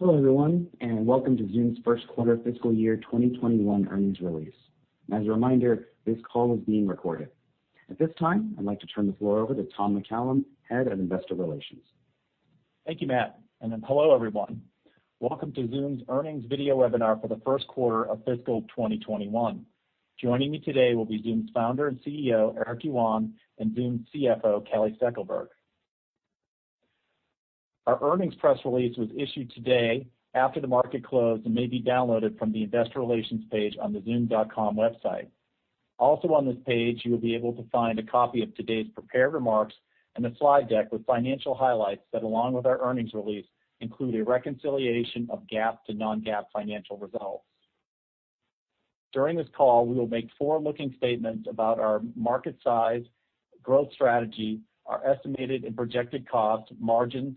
Hello, everyone, welcome to Zoom's first quarter fiscal year 2021 earnings release. As a reminder, this call is being recorded. At this time, I'd like to turn the floor over to Tom McCallum, Head of Investor Relations. Thank you, Matt, and hello, everyone. Welcome to Zoom's earnings video webinar for the first quarter of fiscal 2021. Joining me today will be Zoom's founder and CEO, Eric Yuan, and Zoom's CFO, Kelly Steckelberg. Our earnings press release was issued today after the market closed and may be downloaded from the Investor Relations page on the zoom.com website. Also on this page, you will be able to find a copy of today's prepared remarks and a slide deck with financial highlights that, along with our earnings release, include a reconciliation of GAAP to non-GAAP financial results. During this call, we will make forward-looking statements about our market size, growth strategy, our estimated and projected costs, margins,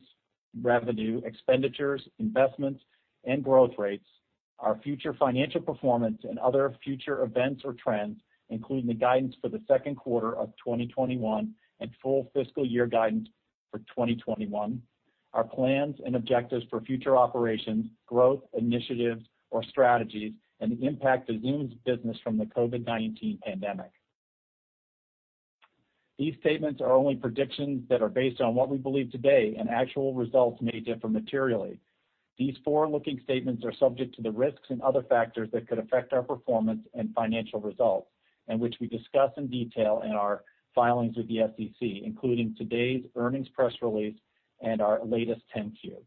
revenue, expenditures, investments, and growth rates, our future financial performance and other future events or trends, including the guidance for the second quarter of 2021 and full fiscal year guidance for 2021, our plans and objectives for future operations, growth initiatives or strategies, and the impact of Zoom's business from the COVID-19 pandemic. These statements are only predictions that are based on what we believe today, and actual results may differ materially. These forward-looking statements are subject to the risks and other factors that could affect our performance and financial results, and which we discuss in detail in our filings with the SEC, including today's earnings press release and our latest 10-Q.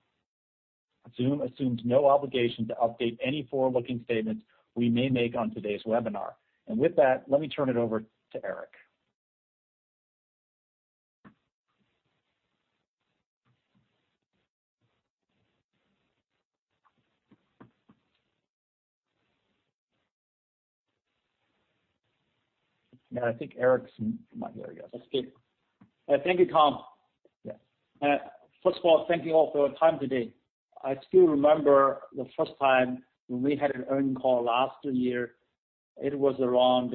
Zoom assumes no obligation to update any forward-looking statements we may make on today's webinar. With that, let me turn it over to Eric. Matt, I think Eric's not here yet. That's good. Thank you, Tom. Yeah. First of all, thank you all for your time today. I still remember the first time when we had an earnings call last year, it was around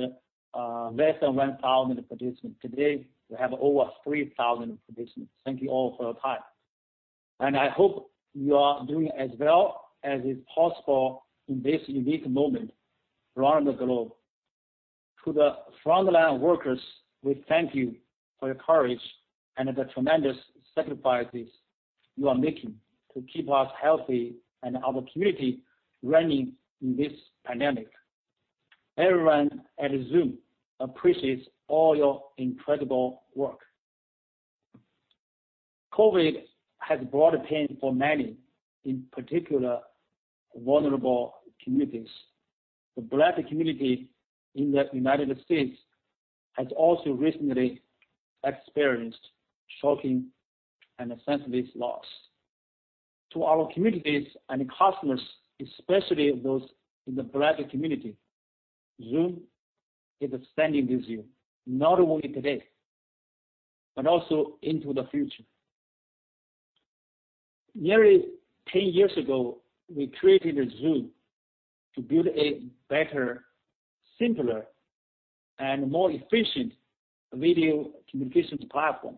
less than 1,000 participants. Today, we have over 3,000 participants. Thank you all for your time. I hope you are doing as well as is possible in this unique moment around the globe. To the frontline workers, we thank you for your courage and the tremendous sacrifices you are making to keep us healthy and our community running in this pandemic. Everyone at Zoom appreciates all your incredible work. COVID has brought pain for many, in particular, vulnerable communities. The Black community in the U.S. has also recently experienced shocking and senseless loss. To our communities and customers, especially those in the Black community, Zoom is standing with you, not only today, but also into the future. Nearly 10 years ago, we created Zoom to build a better, simpler, and more efficient video communications platform.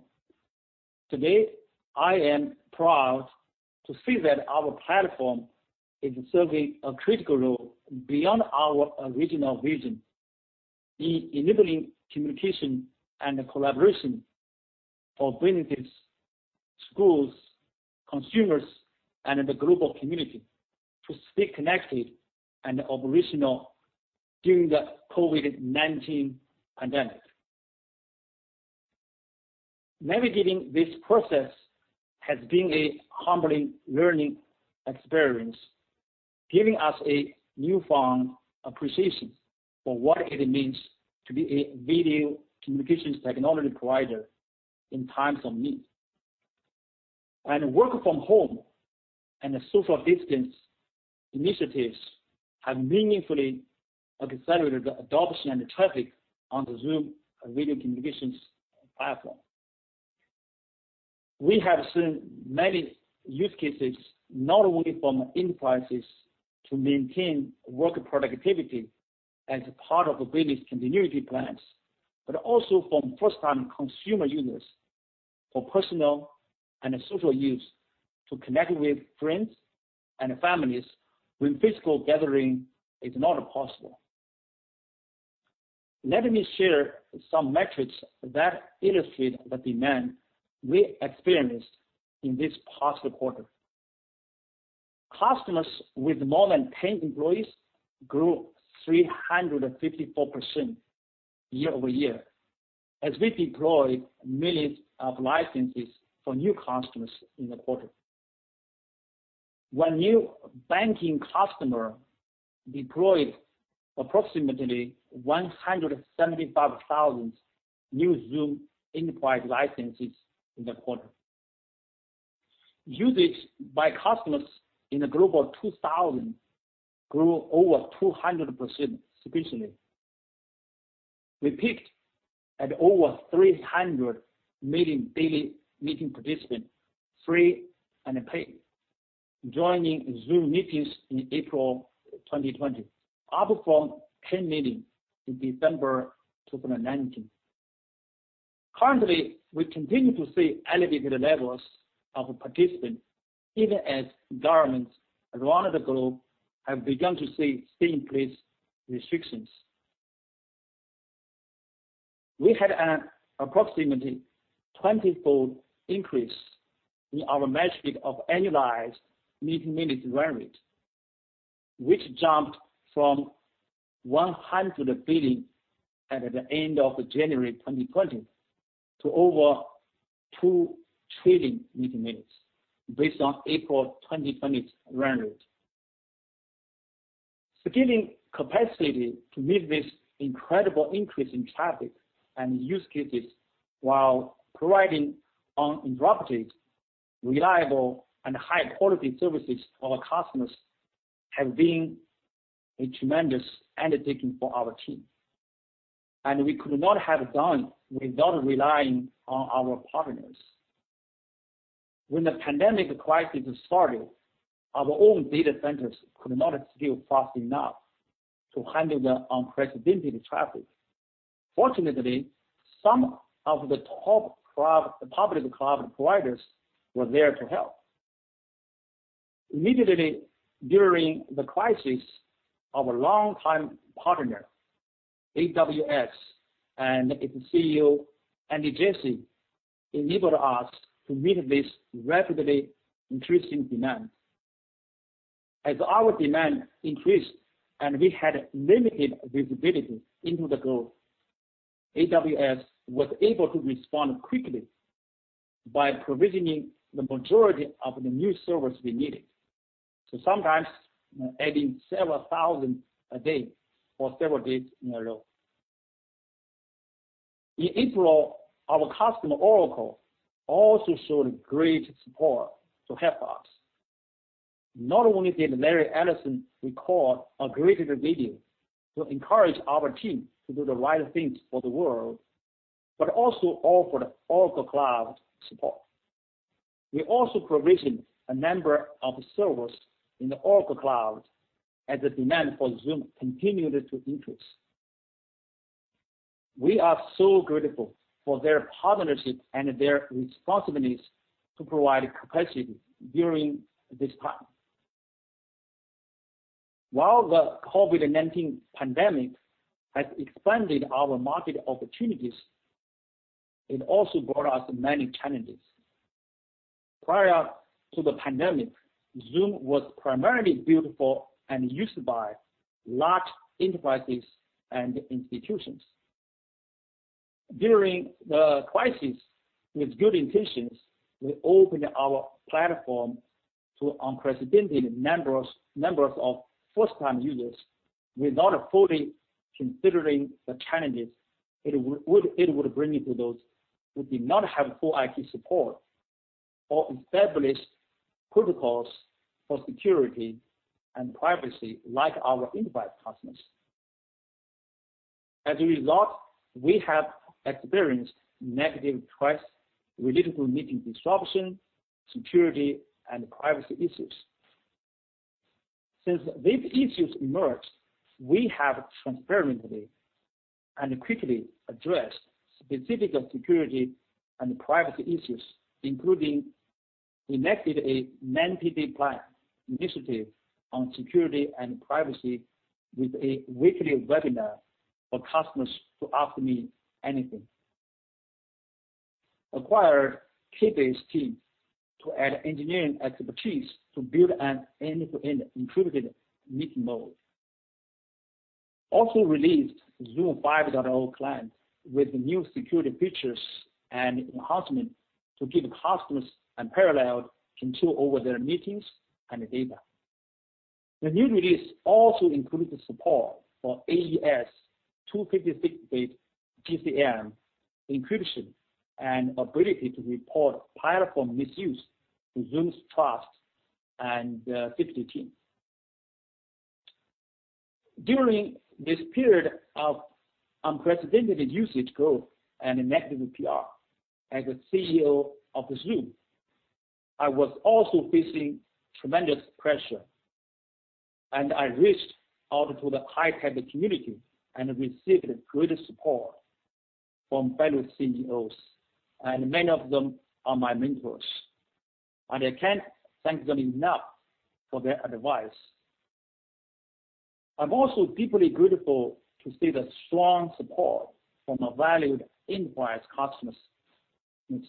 Today, I am proud to see that our platform is serving a critical role beyond our original vision in enabling communication and collaboration for businesses, schools, consumers, and the global community to stay connected and operational during the COVID-19 pandemic. Navigating this process has been a humbling learning experience, giving us a newfound appreciation for what it means to be a video communications technology provider in times of need. Work from home and social distance initiatives have meaningfully accelerated the adoption and traffic on the Zoom Video Communications platform. We have seen many use cases not only from enterprises to maintain work productivity as part of business continuity plans, but also from first-time consumer users for personal and social use to connect with friends and families when physical gathering is not possible. Let me share some metrics that illustrate the demand we experienced in this past quarter. Customers with more than 10 employees grew 354% year-over-year, as we deployed millions of licenses for new customers in the quarter. One new banking customer deployed approximately 175,000 new Zoom Enterprise licenses in the quarter. Usage by customers in the Global 2000 grew over 200% sequentially. We peaked at over 300 million daily meeting participants, free and paid, joining Zoom Meeting in April 2020, up from 10 million in December 2019. Currently, we continue to see elevated levels of participants, even as governments around the globe have begun to see stay-in-place restrictions. We had an approximately 20-fold increase in our measure of annualized meeting minutes run rate, which jumped from 100 billion at the end of January 2020 to over 2 trillion meeting minutes based on April 2020 run rate. Scaling capacity to meet this incredible increase in traffic and use cases while providing uninterrupted, reliable, and high-quality services to our customers, has been a tremendous undertaking for our team. We could not have done without relying on our partners. When the pandemic crisis started, our own data centers could not scale fast enough to handle the unprecedented traffic. Fortunately, some of the top public cloud providers were there to help. Immediately during the crisis, our longtime partner, AWS, and its CEO, Andy Jassy, enabled us to meet this rapidly increasing demand. As our demand increased and we had limited visibility into the growth, AWS was able to respond quickly by provisioning the majority of the new servers we needed. Sometimes adding several thousand a day for several days in a row. In April, our customer, Oracle, also showed great support to help us. Not only did Larry Ellison record a greeting video to encourage our team to do the right things for the world, but also offered Oracle Cloud support. We also provisioned a number of servers in the Oracle Cloud as the demand for Zoom continued to increase. We are so grateful for their partnership and their responsiveness to provide capacity during this time. While the COVID-19 pandemic has expanded our market opportunities, it also brought us many challenges. Prior to the pandemic, Zoom was primarily built for and used by large enterprises and institutions. During the crisis, with good intentions, we opened our platform to unprecedented numbers of first-time users, without fully considering the challenges it would bring into those who did not have full IT support or established protocols for security and privacy like our enterprise customers. As a result, we have experienced negative press related to meeting disruption, security, and privacy issues. Since these issues emerged, we have transparently and quickly addressed specific security and privacy issues, including enacted a 90-day plan initiative on security and privacy with a weekly webinar for customers to ask me anything. We acquired Keybase team to add engineering expertise to build an end-to-end encrypted meeting mode. Released Zoom 5.0 client with new security features and enhancements to give customers unparalleled control over their meetings and data. The new release also included support for AES 256-bit GCM encryption and ability to report platform misuse to Zoom's trust and safety team. During this period of unprecedented usage growth and negative PR, as the CEO of Zoom, I was also facing tremendous pressure. I reached out to the high-tech community and received great support from fellow CEOs. Many of them are my mentors, and I can't thank them enough for their advice. I'm also deeply grateful to see the strong support from our valued enterprise customers,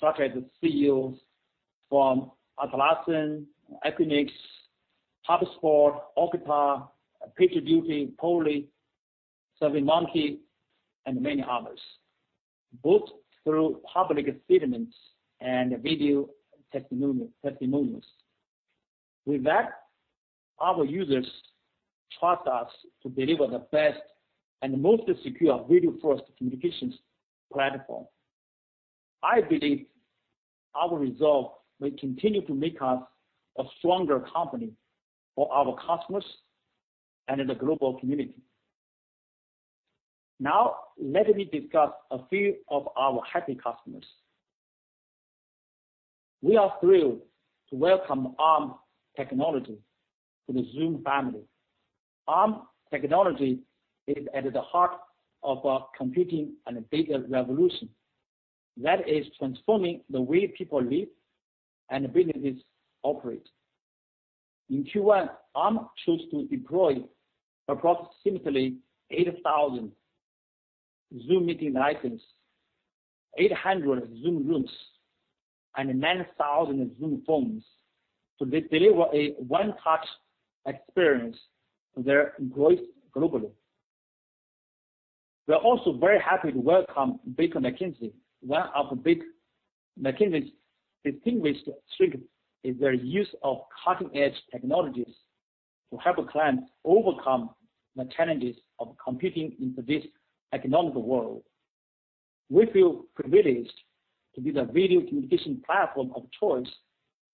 such as CEOs from Atlassian, Equinix, HubSpot, Okta, PagerDuty, Poly, SurveyMonkey, and many others, both through public statements and video testimonials. With that, our users trust us to deliver the best and most secure video-first communications platform. I believe our resolve will continue to make us a stronger company for our customers and the global community. Now, let me discuss a few of our happy customers. We are thrilled to welcome Arm technology to the Zoom family. Arm technology is at the heart of a computing and data revolution that is transforming the way people live and businesses operate. In Q1, Arm chose to deploy approximately 8,000 Zoom Meeting licenses, 800 Zoom Rooms, and 9,000 Zoom Phone to deliver a one-touch experience for their employees globally. We're also very happy to welcome Baker McKenzie. One of Baker McKenzie's distinguished strengths is their use of cutting-edge technologies to help clients overcome the challenges of competing in today's economic world. We feel privileged to be the video communication platform of choice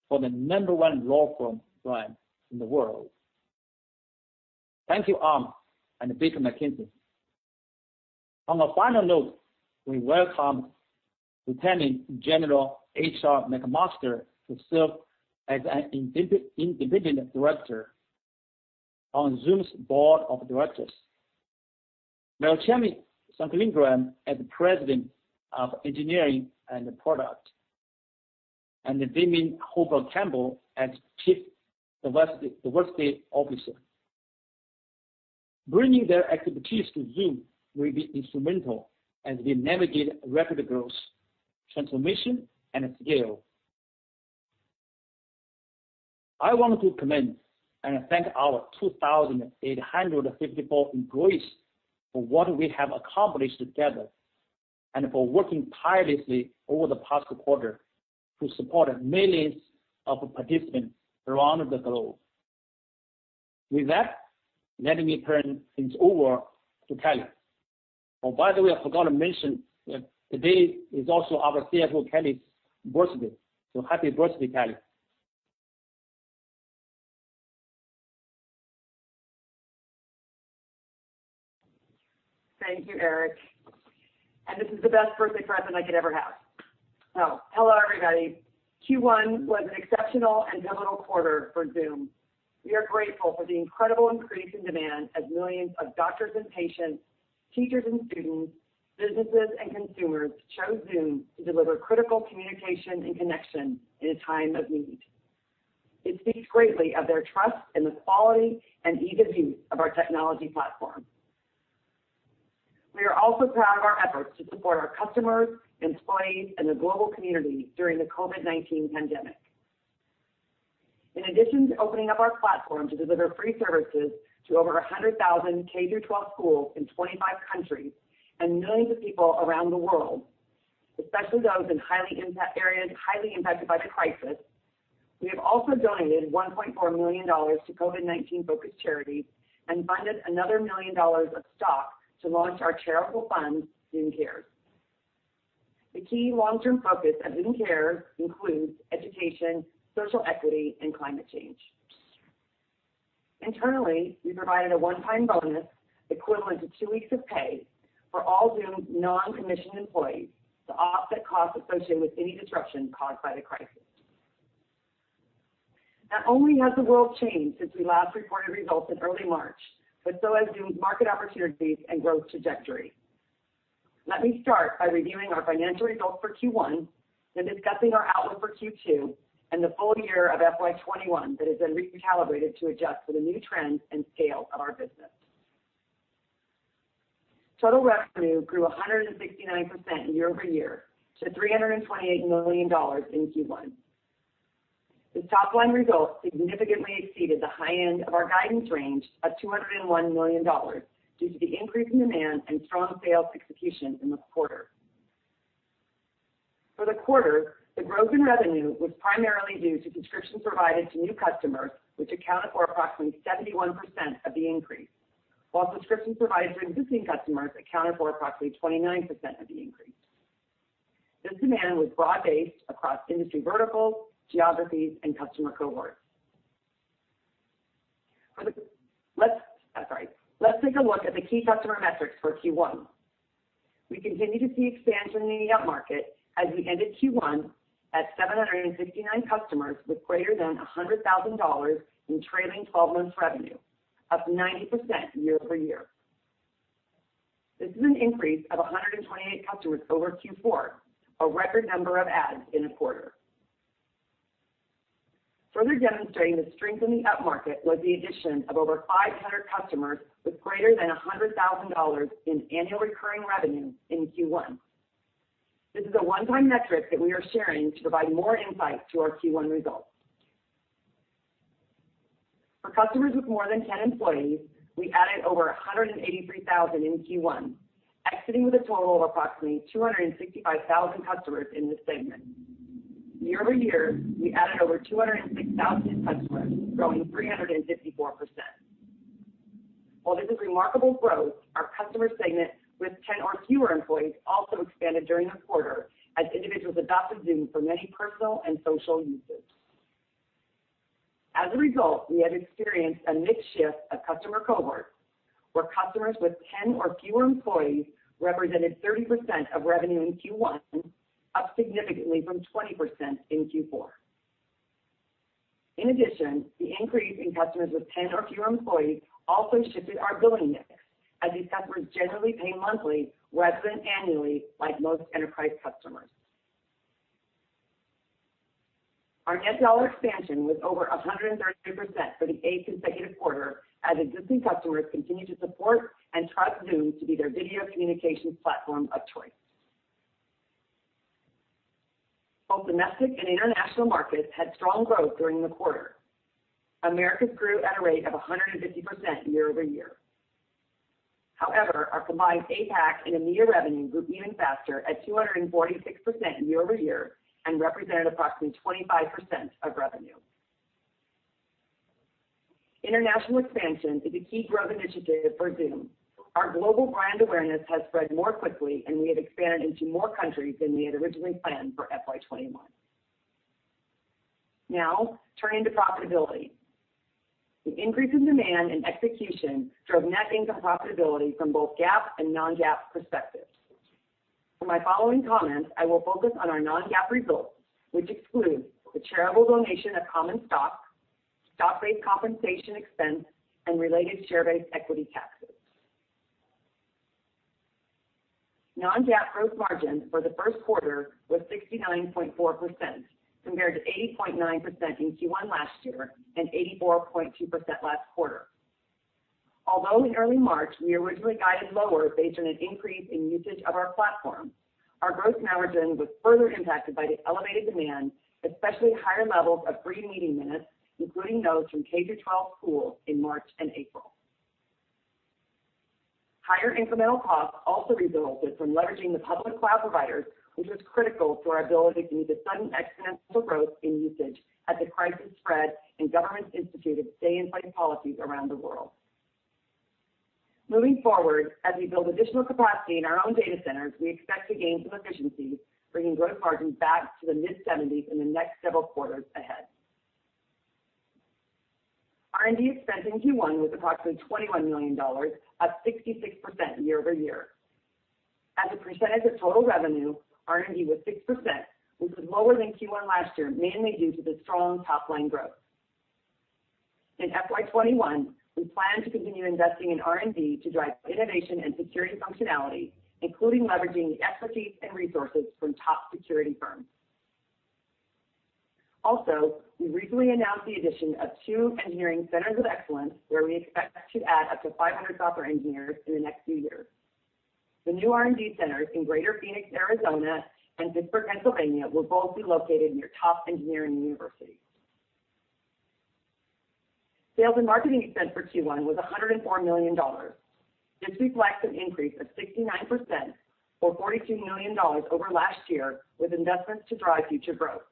for the number one law firm brand in the world. Thank you, Arm and Baker McKenzie. On a final note, we welcome Lieutenant General H.R. McMaster to serve as an independent director on Zoom's board of directors. We welcome Velchamy Sankarlingam as President of Engineering and Product, and Damien Hooper-Campbell as Chief Diversity Officer. Bringing their expertise to Zoom will be instrumental as we navigate rapid growth, transformation, and scale. I want to commend and thank our 2,854 employees for what we have accomplished together and for working tirelessly over the past quarter to support millions of participants around the globe. With that, let me turn things over to Kelly. Oh, by the way, I forgot to mention that today is also our CFO Kelly's birthday, happy birthday, Kelly. Thank you, Eric. This is the best birthday present I could ever have. Hello, everybody. Q1 was an exceptional and pivotal quarter for Zoom. We are grateful for the incredible increase in demand as millions of doctors and patients, teachers and students, businesses and consumers chose Zoom to deliver critical communication and connection in a time of need. It speaks greatly of their trust in the quality and ease of use of our technology platform. We are also proud of our efforts to support our customers, employees, and the global community during the COVID-19 pandemic. In addition to opening up our platform to deliver free services to over 100,000 K-12 schools in 25 countries and millions of people around the world, especially those in areas highly impacted by the crisis, we have also donated $1.4 million to COVID-19-focused charities and funded another $1 million of stock to launch our charitable fund, Zoom Cares. The key long-term focus of Zoom Cares includes education, social equity, and climate change. Internally, we provided a one-time bonus equivalent to two weeks of pay for all Zoom non-commissioned employees to offset costs associated with any disruption caused by the crisis. Not only has the world changed since we last reported results in early March, but so has Zoom's market opportunities and growth trajectory. Let me start by reviewing our financial results for Q1, then discussing our outlook for Q2 and the full year of FY 2021 that has been recalibrated to adjust for the new trends and scale of our business. Total revenue grew 169% year-over-year to $328 million in Q1. This top-line result significantly exceeded the high end of our guidance range of $201 million due to the increase in demand and strong sales execution in the quarter. For the quarter, the growth in revenue was primarily due to subscriptions provided to new customers, which accounted for approximately 71% of the increase, while subscriptions provided to existing customers accounted for approximately 29% of the increase. This demand was broad-based across industry verticals, geographies, and customer cohorts. Let's take a look at the key customer metrics for Q1. We continue to see expansion in the upmarket as we ended Q1 at 769 customers with greater than $100,000 in trailing 12 months revenue, up 90% year-over-year. This is an increase of 128 customers over Q4, a record number of adds in a quarter. Further demonstrating the strength in the upmarket was the addition of over 500 customers with greater than $100,000 in annual recurring revenue in Q1. This is a one-time metric that we are sharing to provide more insight to our Q1 results. For customers with more than 10 employees, we added over 183,000 in Q1, exiting with a total of approximately 265,000 customers in this segment. Year-over-year, we added over 206,000 customers, growing 354%. While this is remarkable growth, our customer segment with 10 or fewer employees also expanded during the quarter as individuals adopted Zoom for many personal and social use cases. As a result, we have experienced a mixed shift of customer cohorts, where customers with 10 or fewer employees represented 30% of revenue in Q1, up significantly from 20% in Q4. The increase in customers with 10 or fewer employees also shifted our billing mix, as these customers generally pay monthly rather than annually, like most enterprise customers. Our net dollar expansion was over 132% for the eighth consecutive quarter, as existing customers continue to support and trust Zoom to be their video communications platform of choice. Both domestic and international markets had strong growth during the quarter. Americas grew at a rate of 150% year-over-year. However, our combined APAC and EMEA revenue grew even faster at 246% year-over-year and represented approximately 25% of revenue. International expansion is a key growth initiative for Zoom. Our global brand awareness has spread more quickly, and we have expanded into more countries than we had originally planned for FY 2021. Now, turning to profitability. The increase in demand and execution drove net income profitability from both GAAP and non-GAAP perspectives. For my following comments, I will focus on our non-GAAP results, which exclude the charitable donation of common stock-based compensation expense, and related share-based equity taxes. Non-GAAP gross margin for the first quarter was 69.4%, compared to 80.9% in Q1 last year and 84.2% last quarter. Although in early March, we originally guided lower based on an increase in usage of our platform, our gross margin was further impacted by the elevated demand, especially higher levels of free meeting minutes, including those from K-12 schools in March and April. Higher incremental costs also resulted from leveraging the public cloud providers, which was critical to our ability to meet the sudden exponential growth in usage as the crisis spread and governments instituted stay-in-place policies around the world. Moving forward, as we build additional capacity in our own data centers, we expect to gain some efficiencies, bringing gross margins back to the mid-70s in the next several quarters ahead. R&D expense in Q1 was approximately $21 million, up 66% year-over-year. As a percentage of total revenue, R&D was 6%, which was lower than Q1 last year, mainly due to the strong top-line growth. In FY 2021, we plan to continue investing in R&D to drive innovation and security functionality, including leveraging the expertise and resources from top security firms. We recently announced the addition of two engineering centers of excellence, where we expect to add up to 500 software engineers in the next few years. The new R&D centers in Greater Phoenix, Arizona, and Pittsburgh, Pennsylvania, will both be located near top engineering universities. Sales and marketing expense for Q1 was $104 million. This reflects an increase of 69% or $42 million over last year, with investments to drive future growth.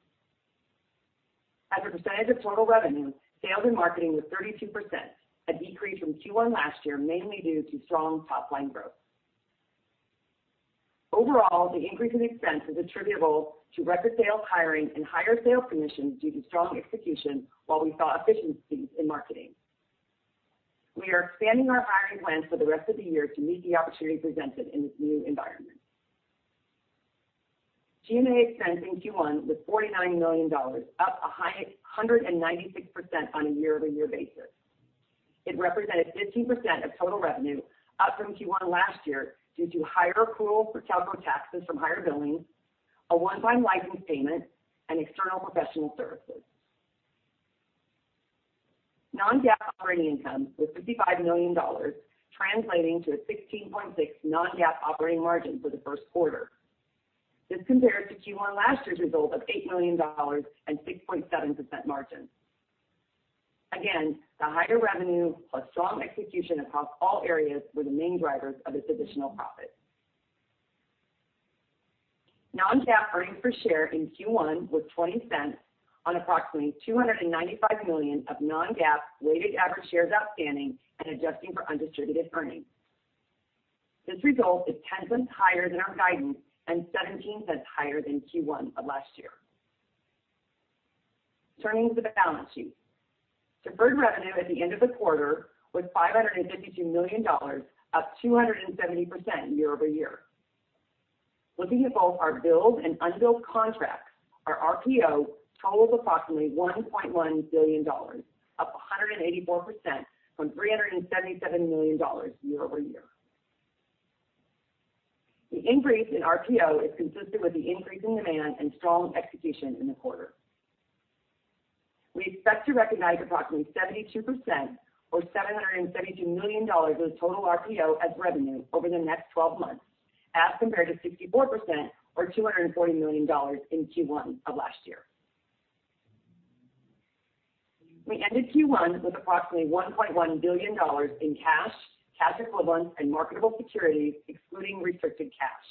As a percentage of total revenue, sales and marketing was 32%, a decrease from Q1 last year mainly due to strong top-line growth. The increase in expense is attributable to record sales hiring and higher sales commissions due to strong execution while we saw efficiencies in marketing. We are expanding our hiring plans for the rest of the year to meet the opportunity presented in this new environment. G&A expense in Q1 was $49 million, up 196% on a year-over-year basis. It represented 15% of total revenue, up from Q1 last year due to higher accruals for telco taxes from higher billings, a one-time license payment, and external professional services. Non-GAAP operating income was $55 million, translating to a 16.6% non-GAAP operating margin for the first quarter. This compares to Q1 last year's result of $8 million and 6.7% margin. The higher revenue plus strong execution across all areas were the main drivers of this additional profit. Non-GAAP earnings per share in Q1 was $0.20 on approximately 295 million of non-GAAP weighted average shares outstanding and adjusting for undistributed earnings. This result is $0.10 higher than our guidance and $0.17 higher than Q1 of last year. Turning to the balance sheet. Deferred revenue at the end of the quarter was $552 million, up 270% year-over-year. Looking at both our billed and unbilled contracts, our RPO totals approximately $1.1 billion, up 184% from $377 million year-over-year. The increase in RPO is consistent with the increase in demand and strong execution in the quarter. We expect to recognize approximately 72% or $772 million of the total RPO as revenue over the next 12 months, as compared to 64% or $240 million in Q1 of last year. We ended Q1 with approximately $1.1 billion in cash equivalents, and marketable securities, excluding restricted cash.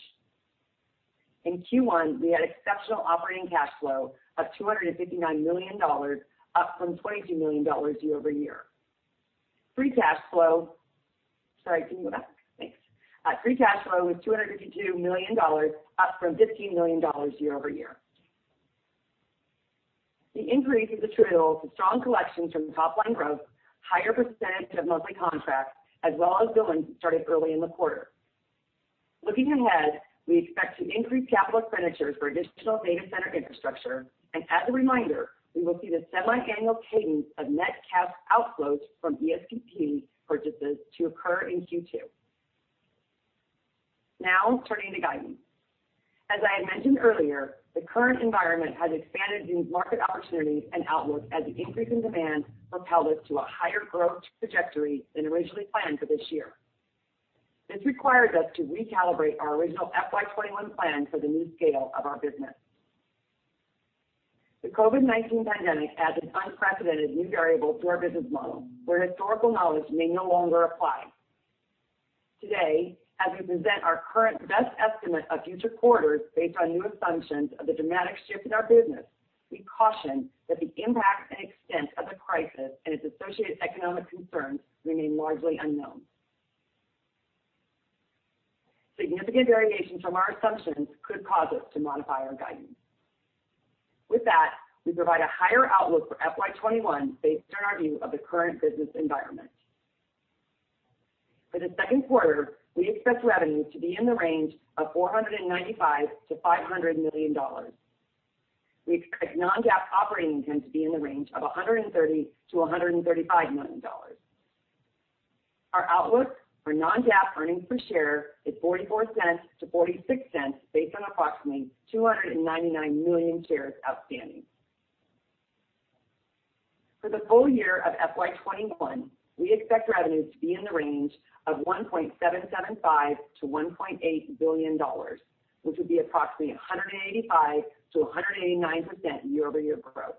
In Q1, we had exceptional operating cash flow of $259 million, up from $22 million year-over-year. Free cash flow. Sorry, can you go back? Thanks. Free cash flow was $252 million, up from $15 million year-over-year. The increase is attributable to strong collections from the top-line growth, higher percentage of monthly contracts, as well as billings started early in the quarter. Looking ahead, we expect to increase capital expenditures for additional data center infrastructure, and as a reminder, we will see the semi-annual cadence of net cash outflows from ESPP purchases to occur in Q2. Now turning to guidance. As I had mentioned earlier, the current environment has expanded Zoom's market opportunity and outlook as the increase in demand propelled us to a higher growth trajectory than originally planned for this year. This requires us to recalibrate our original FY21 plan for the new scale of our business. The COVID-19 pandemic adds an unprecedented new variable to our business model, where historical knowledge may no longer apply. Today, as we present our current best estimate of future quarters based on new assumptions of the dramatic shift in our business, we caution that the impact and extent of the crisis and its associated economic concerns remain largely unknown. Significant variations from our assumptions could cause us to modify our guidance. With that, we provide a higher outlook for FY21 based on our view of the current business environment. For the second quarter, we expect revenue to be in the range of $495 million-$500 million. We expect non-GAAP operating income to be in the range of $130 million-$135 million. Our outlook for non-GAAP earnings per share is $0.44-$0.46 based on approximately 299 million shares outstanding. For the full year of FY21, we expect revenue to be in the range of $1.775 billion-$1.8 billion, which would be approximately 185%-189% year-over-year growth.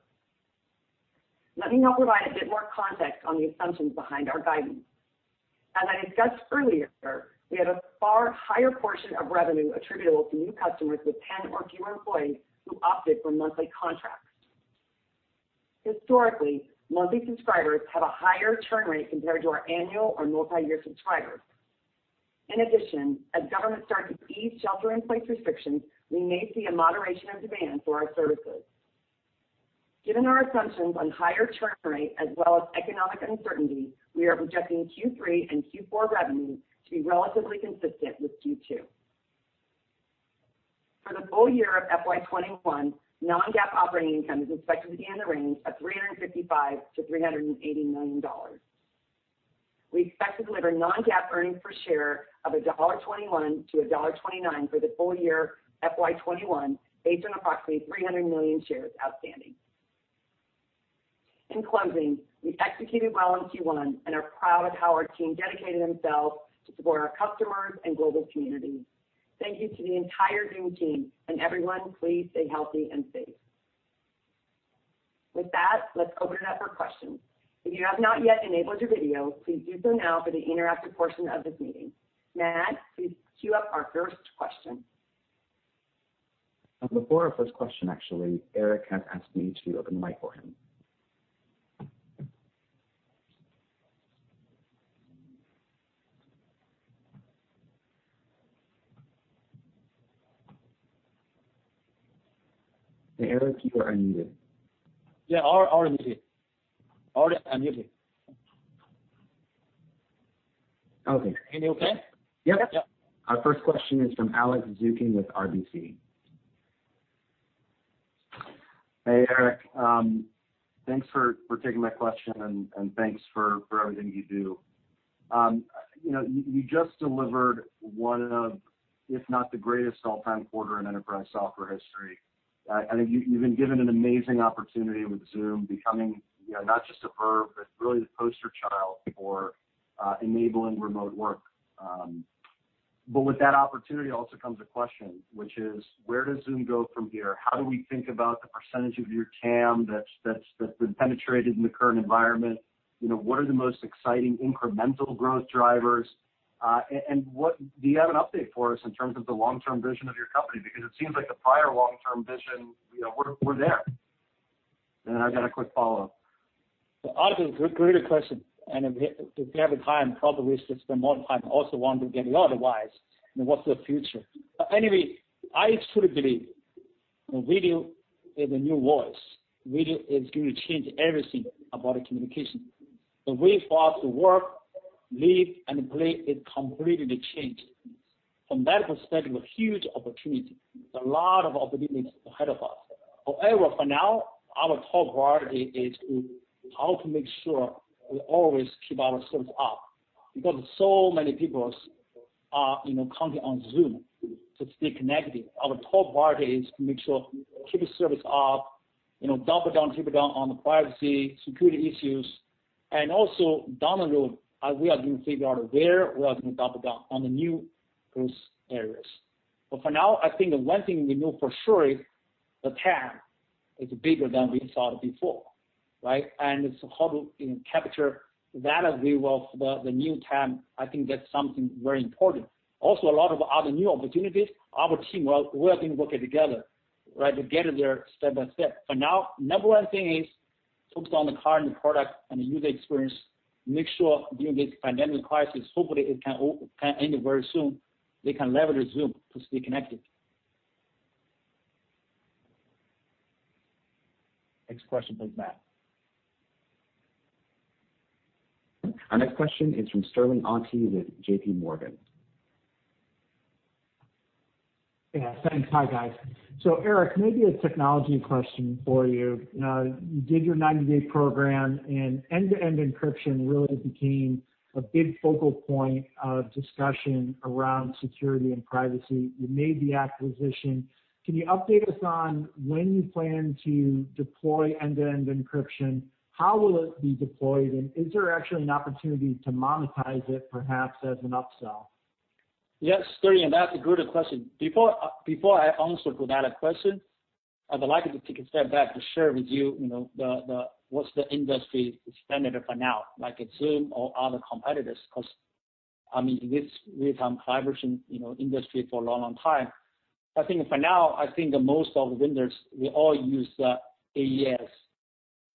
Let me now provide a bit more context on the assumptions behind our guidance. As I discussed earlier, we had a far higher portion of revenue attributable to new customers with 10 or fewer employees who opted for monthly contracts. Historically, monthly subscribers have a higher churn rate compared to our annual or multi-year subscribers. As governments start to ease shelter-in-place restrictions, we may see a moderation of demand for our services. Given our assumptions on higher churn rate as well as economic uncertainty, we are projecting Q3 and Q4 revenue to be relatively consistent with Q2. For the full year of FY 2021, non-GAAP operating income is expected to be in the range of $355 million-$380 million. We expect to deliver non-GAAP earnings per share of $1.21-$1.29 for the full year FY 2021, based on approximately 300 million shares outstanding. In closing, we executed well in Q1 and are proud of how our team dedicated themselves to support our customers and global community. Thank you to the entire Zoom team, and everyone, please stay healthy and safe. With that, let's open it up for questions. If you have not yet enabled your video, please do so now for the interactive portion of this meeting. Matt, please queue up our first question. Before our first question, actually, Eric has asked me to open the mic for him. Hey, Eric, you are unmuted. Yeah, already unmuted. Okay. Can you okay? Yep. Yep. Our first question is from Alex Zukin with RBC Capital Markets. Hey, Eric. Thanks for taking my question, and thanks for everything you do. You just delivered one of, if not the greatest all-time quarter in enterprise software history. I think you've been given an amazing opportunity with Zoom becoming, not just a verb, but really the poster child for enabling remote work. With that opportunity also comes a question, which is: Where does Zoom go from here? How do we think about the percentage of your TAM that's been penetrated in the current environment? What are the most exciting incremental growth drivers? Do you have an update for us in terms of the long-term vision of your company? Because it seems like the prior long-term vision, we're there. I've got a quick follow-up. Alex, great question. If we have the time, probably spend more time, also want to get otherwise, what's the future? I truly believe that video is the new voice. Video is going to change everything about communication. The way for us to work, live, and play is completely changed. From that perspective, a huge opportunity. There's a lot of opportunities ahead of us. For now, our top priority is how to make sure we always keep our service up, because so many people are counting on Zoom to stay connected. Our top priority is to make sure we keep the service up, double down, triple down on the privacy, security issues, and also, down the road, we are going to figure out where we are going to double down on the new growth areas. For now, I think the one thing we know for sure is the TAM is bigger than we thought before, right? It's how to capture the value of the new TAM. I think that's something very important. Also, a lot of other new opportunities our team working together, right to get it there step by step. For now, number one thing is focus on the current product and the user experience. Make sure during this pandemic crisis, hopefully it can end very soon. They can leverage Zoom to stay connected. Next question, please, Matt. Our next question is from Sterling Auty with JPMorgan. Yeah. Thanks. Hi, guys. Eric, maybe a technology question for you. You did your 90-day program, and end-to-end encryption really became a big focal point of discussion around security and privacy. You made the acquisition. Can you update us on when you plan to deploy end-to-end encryption? How will it be deployed? Is there actually an opportunity to monetize it, perhaps as an upsell? Sterling, that's a good question. Before I answer to that question, I would like to take a step back to share with you what's the industry standard for now, like at Zoom or other competitors, because we've been in this collaboration industry for a long, long time. I think for now, most of vendors, we all use the AES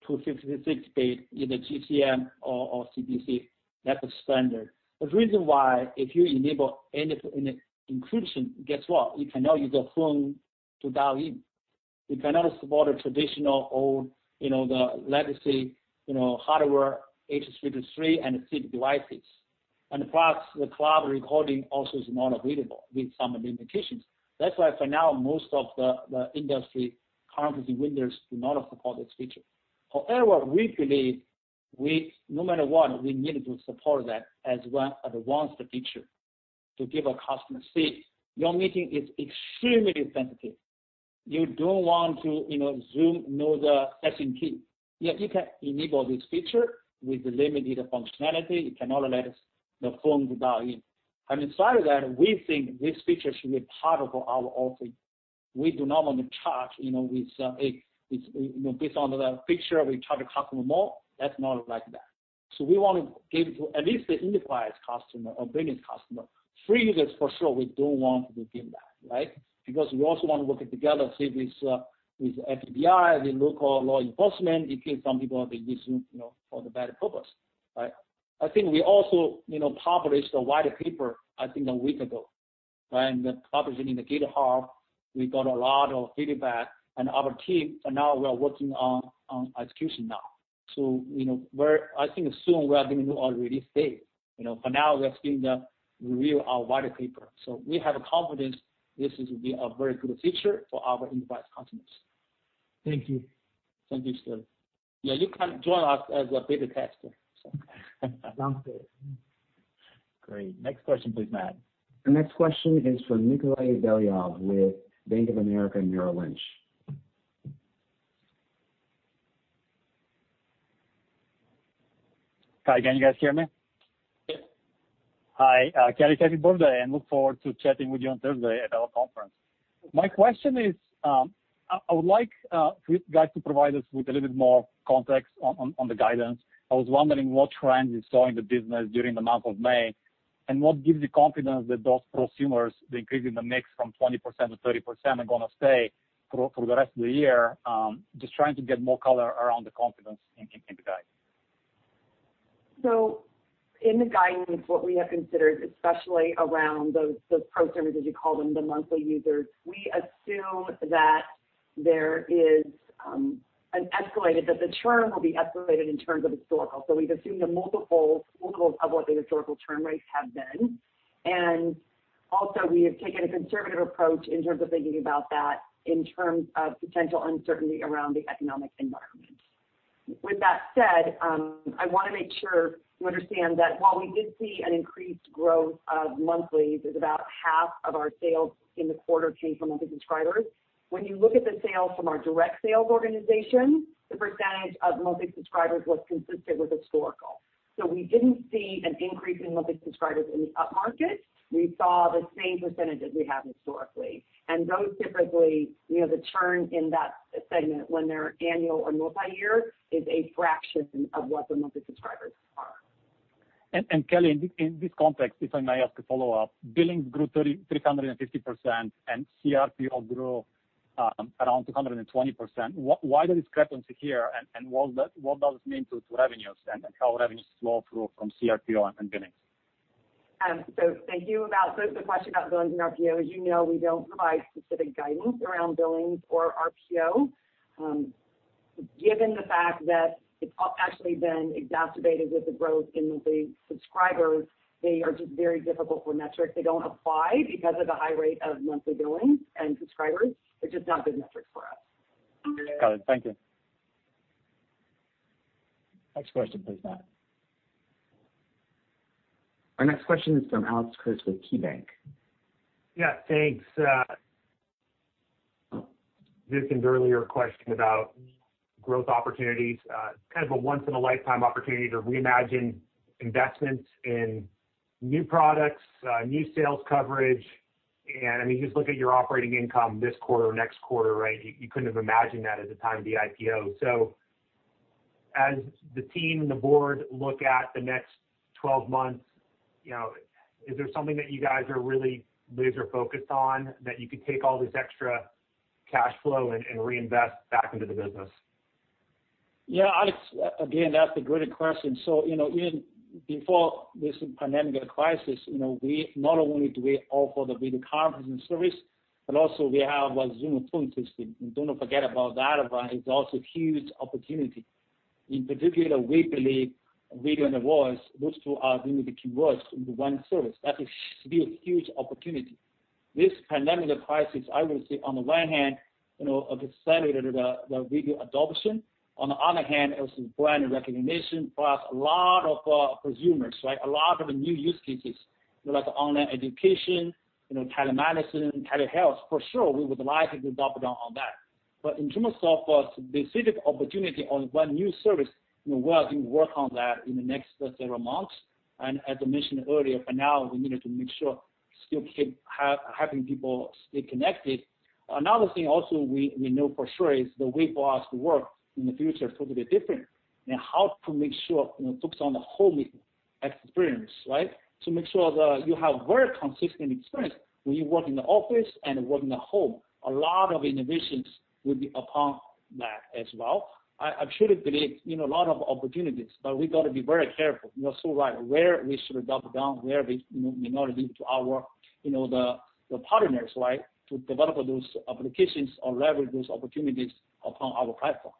256-bit, either GCM or CBC. That's the standard. The reason why, if you enable end-to-end encryption, guess what? You cannot use a phone to dial in. You cannot support a traditional or the legacy hardware, H.323 and SIP devices. Plus, the cloud recording also is not available with some limitations. That's why for now, most of the industry, current vendors do not support this feature. We believe no matter what, we need to support that as one of the feature to give a customer, say, your meeting is extremely sensitive. You don't want Zoom know the session key. You can enable this feature with limited functionality. It cannot let the phones dial in. Inside of that, we think this feature should be part of our offering. We do not want to charge based on the feature we charge the customer more. That's not like that. We want to give at least the enterprise customer or business customer. Free users for sure, we don't want to give that, right? We also want to work together, say, with FBI, with local law enforcement, in case some people have been using for the bad purpose. Right? I think we also published a white paper, I think a week ago. Right? Publishing in the GitHub, we got a lot of feedback and our team, for now we are working on execution now. I think soon we are going to release date. For now we are still review our white paper. We have confidence this will be a very good feature for our enterprise customers. Thank you. Thank you, Sterling. Yeah, you can join us as a beta tester. Sounds good. Great. Next question, please, Matt. The next question is from Nikolay Beliov with Bank of America and Merrill Lynch. Hi again, you guys hear me? Yes. Hi, Kelly, happy birthday, and look forward to chatting with you on Thursday at our conference. My question is, I would like for you guys to provide us with a little bit more context on the guidance. I was wondering what trends you saw in the business during the month of May, and what gives you confidence that those prosumers, the increase in the mix from 20% to 30% are going to stay for the rest of the year? Just trying to get more color around the confidence in the guidance. In the guidance, what we have considered, especially around those prosumers, as you call them, the monthly users, we assume that the churn will be escalated in terms of historical. We've assumed a multiple of what the historical churn rates have been. Also we have taken a conservative approach in terms of thinking about that in terms of potential uncertainty around the economic environment. With that said, I want to make sure you understand that while we did see an increased growth of monthlies, as about half of our sales in the quarter came from monthly subscribers. When you look at the sales from our direct sales organization, the percentage of monthly subscribers was consistent with historical. We didn't see an increase in monthly subscribers in the upmarket. We saw the same percentage as we have historically. Those typically, the churn in that segment when they're annual or multi-year, is a fraction of what the monthly subscribers are. Kelly, in this context, if I may ask a follow-up. Billings grew 350% and CRPO grew around 220%. Why the discrepancy here and what does it mean to revenues and how revenues flow through from CRPO and billings? Thank you. About the question about billings and RPO, as you know, we don't provide specific guidance around billings or RPO. Given the fact that it's actually been exacerbated with the growth in monthly subscribers, they are just very difficult for metrics. They don't apply because of the high rate of monthly billing and subscribers. They're just not good metrics for us. Got it. Thank you. Next question, please, Matt. Our next question is from Alex Kurtz with KeyBanc Capital Markets. Yeah, thanks. Just in earlier question about growth opportunities, kind of a once in a lifetime opportunity to reimagine investments in new products, new sales coverage, and I mean, just look at your operating income this quarter, next quarter, right? You couldn't have imagined that at the time of the IPO. As the team and the board look at the next 12 months, is there something that you guys are really laser-focused on that you could take all this extra cash flow and reinvest back into the business? Yeah, Alex, again, that's a great question. Even before this pandemic crisis, not only do we offer the video conference and service, but also we have Zoom Phone system. Don't forget about that one. It's also a huge opportunity. In particular, we believe video and voice, those two are going to be converged into one service. That is still a huge opportunity. This pandemic crisis, I will say, on the one hand, accelerated the video adoption. On the other hand, it was brand recognition plus a lot of consumers, a lot of new use cases, like online education, telemedicine, telehealth. For sure, we would like to double down on that. In terms of a specific opportunity on one new service, we are doing work on that in the next several months. As I mentioned earlier, for now, we needed to make sure still keeping people stay connected. Another thing also we know for sure is the way for us to work in the future is totally different. How to make sure, focus on the whole new experience, right? To make sure that you have very consistent experience when you work in the office and work in the home. A lot of innovations will be upon that as well. I truly believe a lot of opportunities, but we got to be very careful. You're so right. Where we should double down, where we may leave to our partners, to develop those applications or leverage those opportunities upon our platform.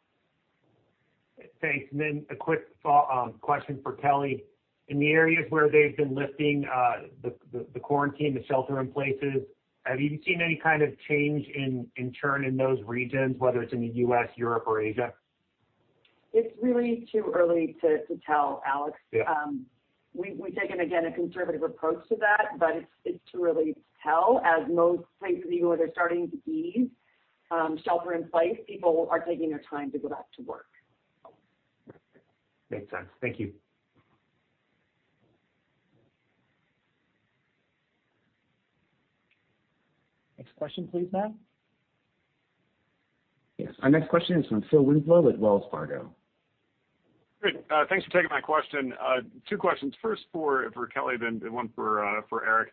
Thanks. A quick follow-up question for Kelly. In the areas where they've been lifting the quarantine, the shelter-in-places, have you seen any kind of change in churn in those regions, whether it's in the U.S., Europe, or Asia? It's really too early to tell, Alex. Yeah. We've taken, again, a conservative approach to that, but it's too early to tell. As most places, even where they're starting to ease shelter in place, people are taking their time to go back to work. Makes sense. Thank you. Next question please, Matt. Our next question is from Phil Winslow with Wells Fargo. Great. Thanks for taking my question. Two questions. First for Kelly, then one for Eric.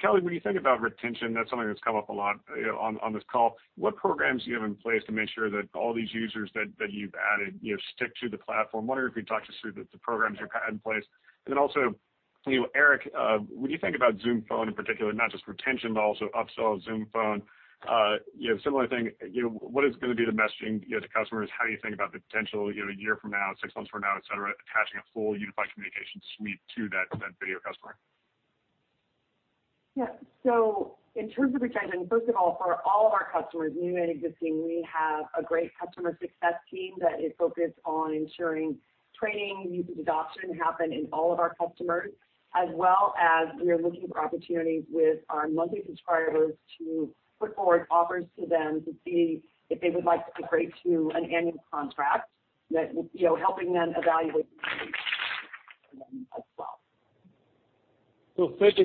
Kelly, when you think about retention, that's something that's come up a lot on this call. What programs do you have in place to make sure that all these users that you've added stick to the platform? Wondering if you could talk us through the programs you have in place. Eric, when you think about Zoom Phone in particular, not just retention, but also upsell of Zoom Phone, similar thing, what is going to be the messaging to customers? How do you think about the potential a year from now, six months from now, et cetera, attaching a full unified communication suite to that video customer? In terms of retention, first of all, for all of our customers, new and existing, we have a great customer success team that is focused on ensuring training, user adoption happen in all of our customers. As well as we are looking for opportunities with our monthly subscribers to put forward offers to them to see if they would like to upgrade to an annual contract, that will help them evaluate as well. First,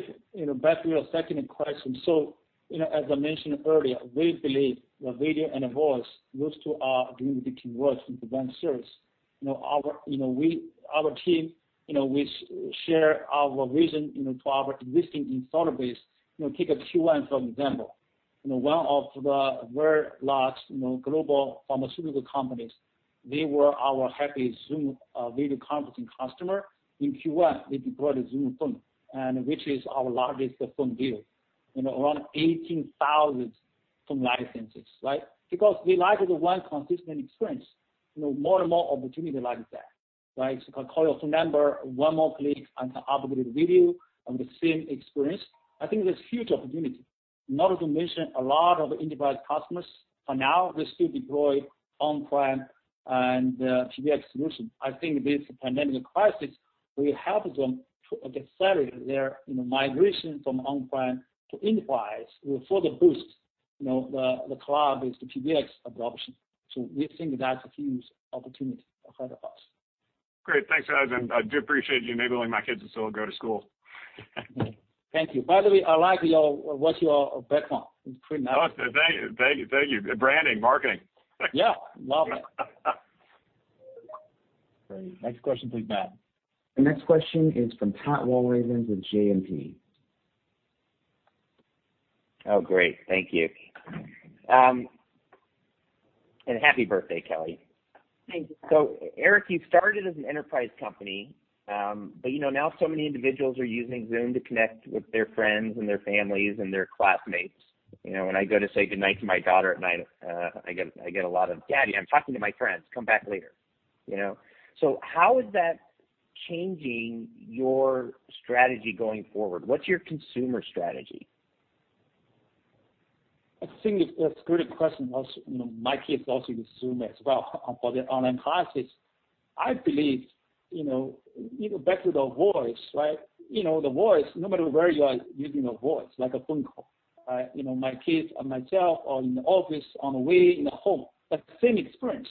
back to your second question. As I mentioned earlier, we believe that video and voice, those two are going to be converged into one service. Our team, we share our vision to our existing install base. Take Q1 for example. One of the very large global pharmaceutical companies, they were our happy Zoom Meeting customer. In Q1, they deployed Zoom Phone, which is our largest phone deal, around 18,000 phone licenses, right? Because they like the one consistent experience. More and more opportunity like that. Call your phone number, one more click and have upgraded video on the same experience. I think there's huge opportunity. Not to mention a lot of enterprise customers, for now, they still deploy on-prem and PBX solution. I think this pandemic crisis will help them to accelerate their migration from on-prem to enterprise, will further boost the cloud PBX adoption. We think that's a huge opportunity ahead of us. Great. Thanks, guys. I do appreciate you enabling my kids to still go to school. Thank you. By the way, I like what's your background. It's pretty nice. Oh, thank you. Thank you. Branding, marketing. Yeah. Love it. Great. Next question please, Matt. The next question is from Pat Walravens with JMP Securities. Oh, great. Thank you. Happy birthday, Kelly. Thank you. Eric, you started as an enterprise company, but now so many individuals are using Zoom to connect with their friends and their families and their classmates. When I go to say good night to my daughter at night, I get a lot of, "Daddy, I'm talking to my friends. Come back later." How is that changing your strategy going forward? What's your consumer strategy? I think that's a great question. My kids also use Zoom as well for their online classes. I believe, back to the voice. The voice, no matter where you are, using a voice, like a phone call. My kids or myself or in the office, on the way, in the home, that same experience.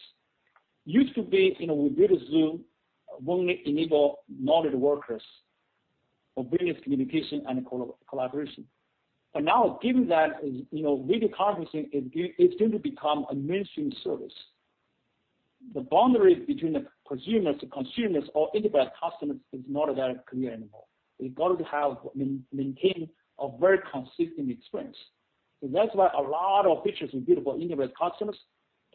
Used to be, we build Zoom, only enable knowledge workers. Of business communication and collaboration. Now, given that video conferencing is going to become a mainstream service, the boundaries between the prosumers, the consumers, or enterprise customers is not that clear anymore. We've got to maintain a very consistent experience. That's why a lot of features we build for enterprise customers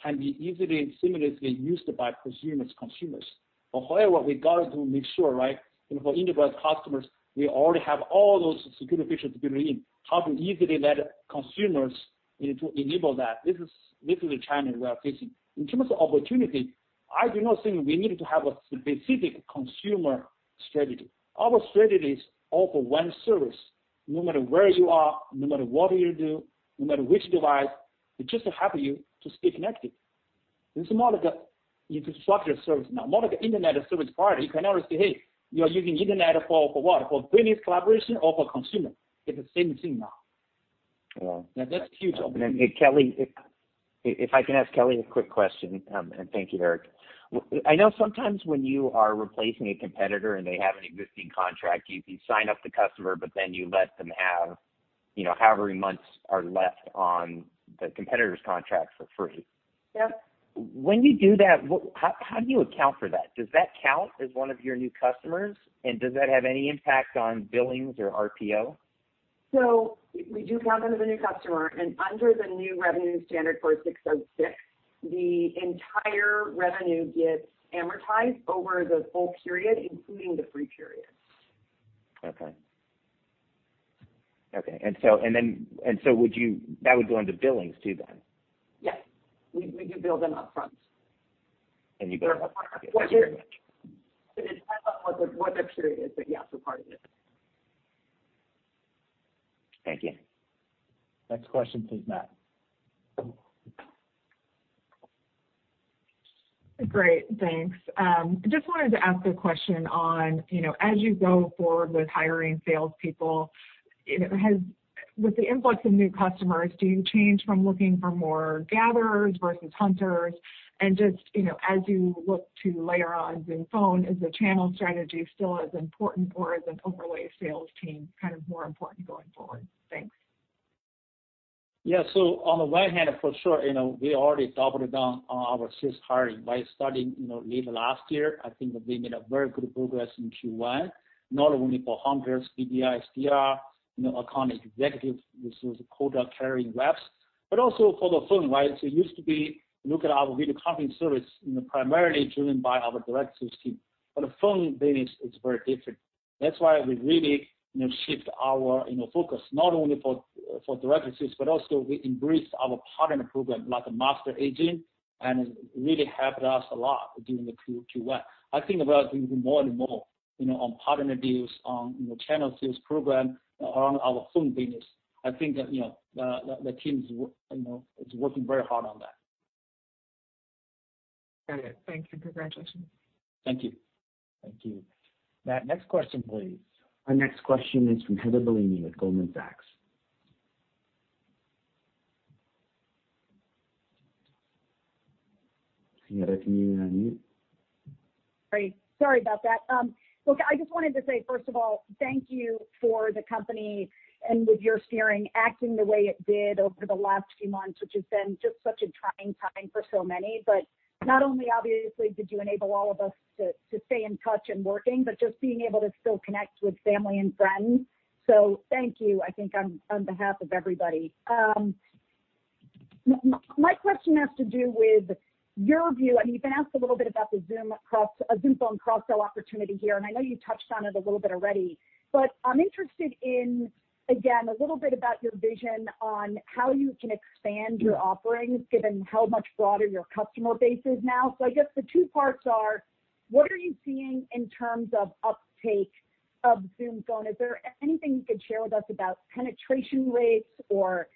can be easily and seamlessly used by prosumers, consumers. However, we've got to make sure, right? For enterprise customers, we already have all those security features built in. How to easily let consumers to enable that, this is the challenge we are facing. In terms of opportunity, I do not think we need to have a specific consumer strategy. Our strategy is all for one service, no matter where you are, no matter what you do, no matter which device, we just help you to stay connected. It's more like an infrastructure service now, more like an internet service provider. You cannot say, "Hey, you are using internet for what? For business collaboration or for consumer?" It's the same thing now. Yeah. That's a huge opportunity. If I can ask Kelly a quick question, and thank you, Eric. I know sometimes when you are replacing a competitor and they have an existing contract, you sign up the customer, but then you let them have, however many months are left on the competitor's contract for free. Yep. When you do that, how do you account for that? Does that count as one of your new customers? Does that have any impact on billings or RPO? We do count them as a new customer, and under the new revenue standard for 606, the entire revenue gets amortized over the full period, including the free period. Okay. That would go under billings, too, then? Yes. We do bill them upfront. You bill upfront. It depends on what their period is, but yes, we're part of it. Thank you. Next question please, Matt. Great, thanks. Just wanted to ask a question on, as you go forward with hiring salespeople, with the influx of new customers, do you change from looking for more gatherers versus hunters? As you look to layer on Zoom Phone, is the channel strategy still as important, or is an overlay sales team more important going forward? Thanks. Yeah. On the one hand, for sure, we already doubled down on our sales hiring by starting late last year. I think we made a very good progress in Q1, not only for hunters, BDR, SDR, account executives with those quota-carrying reps, but also for the phone, right? Used to be, look at our video conferencing service, primarily driven by our direct sales team, but the phone business is very different. That's why we really shift our focus not only for direct sales, but also we embraced our partner program, like master agent, and it really helped us a lot during the Q1. I think about doing more and more on partner deals, on channel sales program around our phone business. I think that the team is working very hard on that. Got it. Thank you. Congratulations. Thank you. Thank you. Matt, next question, please. Our next question is from Heather Bellini with Goldman Sachs. Any other? Can you unmute? Great. Sorry about that. Look, I just wanted to say, first of all, thank you for the company and with your steering, acting the way it did over the last few months, which has been just such a trying time for so many. Not only obviously did you enable all of us to stay in touch and working, but just being able to still connect with family and friends. Thank you, I think on behalf of everybody. My question has to do with your view. I mean, you've been asked a little bit about the Zoom Phone cross-sell opportunity here, and I know you touched on it a little bit already, but I'm interested in, again, a little bit about your vision on how you can expand your offerings given how much broader your customer base is now. I guess the two parts are, what are you seeing in terms of uptake of Zoom Phone? Is there anything you could share with us about penetration rates or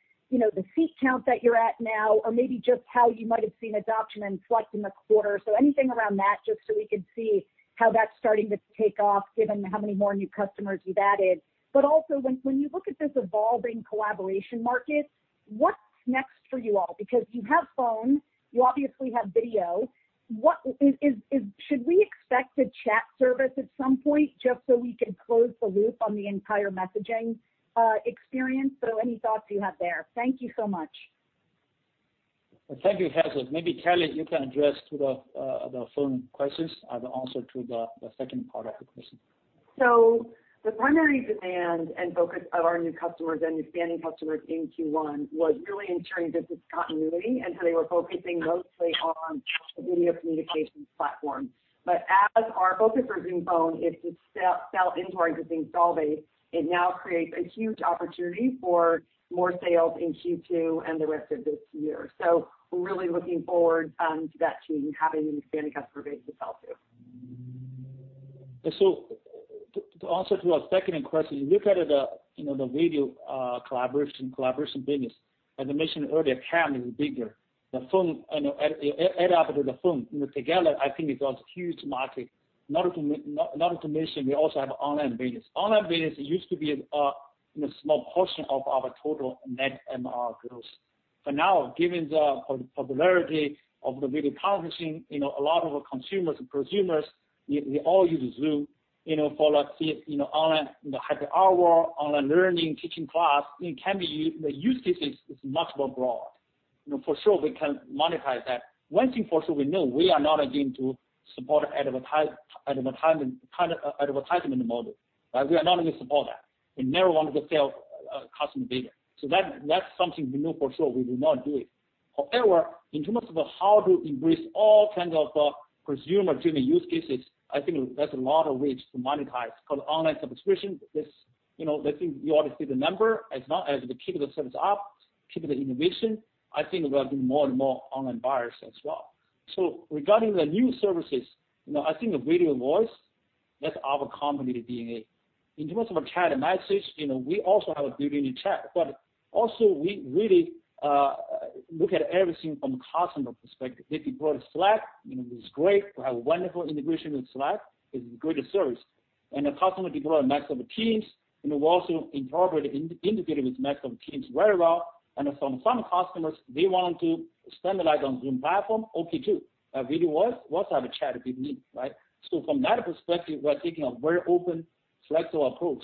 the seat count that you're at now, or maybe just how you might have seen adoption and select in the quarter? Anything around that, just so we could see how that's starting to take off given how many more new customers you've added. Also, when you look at this evolving collaboration market, what's next for you all? Because you have phone, you obviously have video. Should we expect a chat service at some point, just so we could close the loop on the entire messaging experience? Any thoughts you have there? Thank you so much. Thank you, Heather. Kelly, you can address the Phone questions and also to the second part of the question. The primary demand and focus of our new customers and expanding customers in Q1 was really ensuring business continuity, and so they were focusing mostly on the video communications platform. As our focus for Zoom Phone is to sell into our existing install base, it now creates a huge opportunity for more sales in Q2 and the rest of this year. We're really looking forward to that too, and having an expanding customer base to sell to. To answer to your second question, you look at the video collaboration business. As I mentioned earlier, TAM is bigger. The phone, add up to the phone, together, I think it's a huge market. Not to mention, we also have online business. Online business used to be a small portion of our total net MRR growth. For now, given the popularity of the video conferencing, a lot of our consumers and prosumers, we all use Zoom for online happy hour, online learning, teaching class. The use case is much more broad. For sure, we can monetize that. One thing for sure we know, we are not going to support advertisement model. We are not going to support that. We never want to sell customer data. That's something we know for sure we will not do it. However, in terms of how to embrace all kinds of prosumer-driven use cases, I think that's a lot of ways to monetize. For online subscription, I think you already see the number. As long as we keep the service up, keep the innovation, I think there will be more and more online buyers as well. Regarding the new services, I think the video and voice, that's our company DNA. In terms of chat and message, we also have a built-in chat, but also we really look at everything from customer perspective. They deploy Slack, it's great. We have wonderful integration with Slack, it's a great service. The customer deploy Microsoft Teams, and we're also integrated with Microsoft Teams very well. Some customers, they want to standardize on Zoom platform, okay, too. Video and voice, we also have a chat with me. From that perspective, we are taking a very open, flexible approach.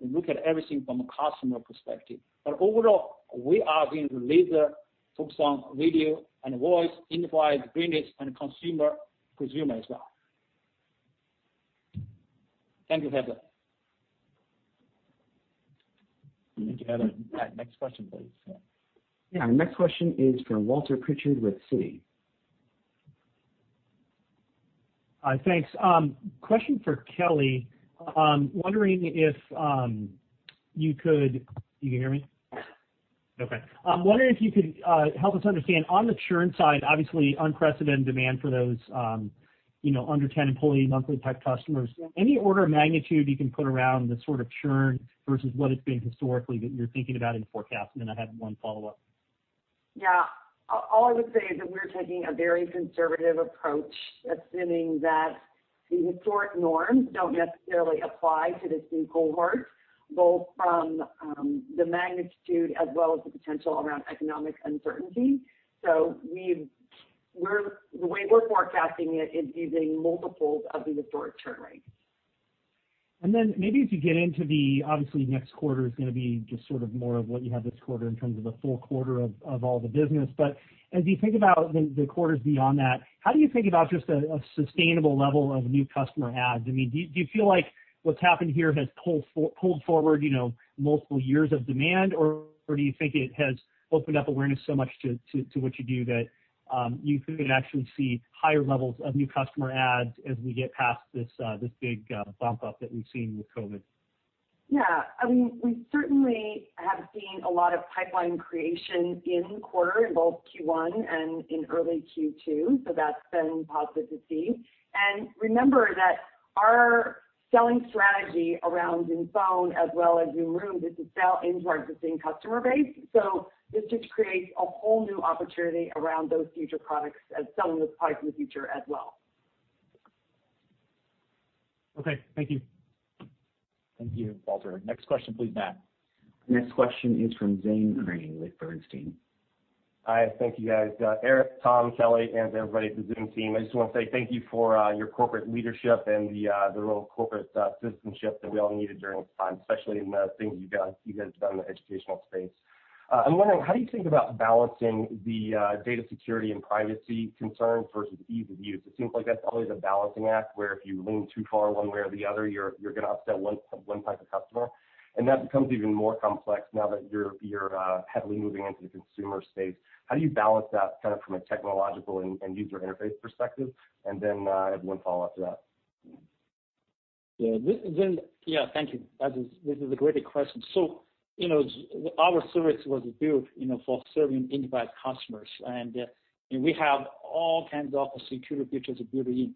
We look at everything from a customer perspective. Overall, we are going to laser focus on video and voice, enterprise, business, and consumer, prosumer as well. Thank you, Heather. Thank you, Heather. Next question, please. Yeah. Our next question is from Walter Pritchard with Citi. Hi, thanks. Question for Kelly. You can hear me? Okay. I'm wondering if you could help us understand on the churn side, obviously unprecedented demand for those under 10 employee monthly type customers. Any order of magnitude you can put around the sort of churn versus what it's been historically that you're thinking about in the forecast? I have one follow-up. Yeah. All I would say is that we're taking a very conservative approach, assuming that the historic norms don't necessarily apply to this new cohort, both from the magnitude as well as the potential around economic uncertainty. The way we're forecasting it is using multiples of the historic churn rate. Maybe if you get into the, obviously next quarter is going to be just sort of more of what you have this quarter in terms of the full quarter of all the business. As you think about the quarters beyond that, how do you think about just a sustainable level of new customer adds? Do you feel like what's happened here has pulled forward multiple years of demand, or do you think it has opened up awareness so much to what you do that you could actually see higher levels of new customer adds as we get past this big bump up that we've seen with COVID? We certainly have seen a lot of pipeline creation in quarter, in both Q1 and in early Q2. That's been positive to see. Remember that our selling strategy around Zoom Phone as well as Zoom Rooms is to sell into our existing customer base. This just creates a whole new opportunity around those future products as selling those products in the future as well. Okay. Thank you. Thank you, Walter. Next question please, Matt. Next question is from Zane Chrane with Bernstein. Hi. Thank you, guys. Eric, Tom, Kelly, and everybody at the Zoom team, I just want to say thank you for your corporate leadership and the real corporate citizenship that we all needed during this time, especially in the things you guys have done in the educational space. I'm wondering, how do you think about balancing the data security and privacy concerns versus ease of use? It seems like that's always a balancing act, where if you lean too far one way or the other, you're going to upset one type of customer. That becomes even more complex now that you're heavily moving into the consumer space. How do you balance that from a technological and user interface perspective? I have one follow-up to that. Yeah. Thank you. This is a great question. Our service was built for serving enterprise customers, and we have all kinds of security features built in.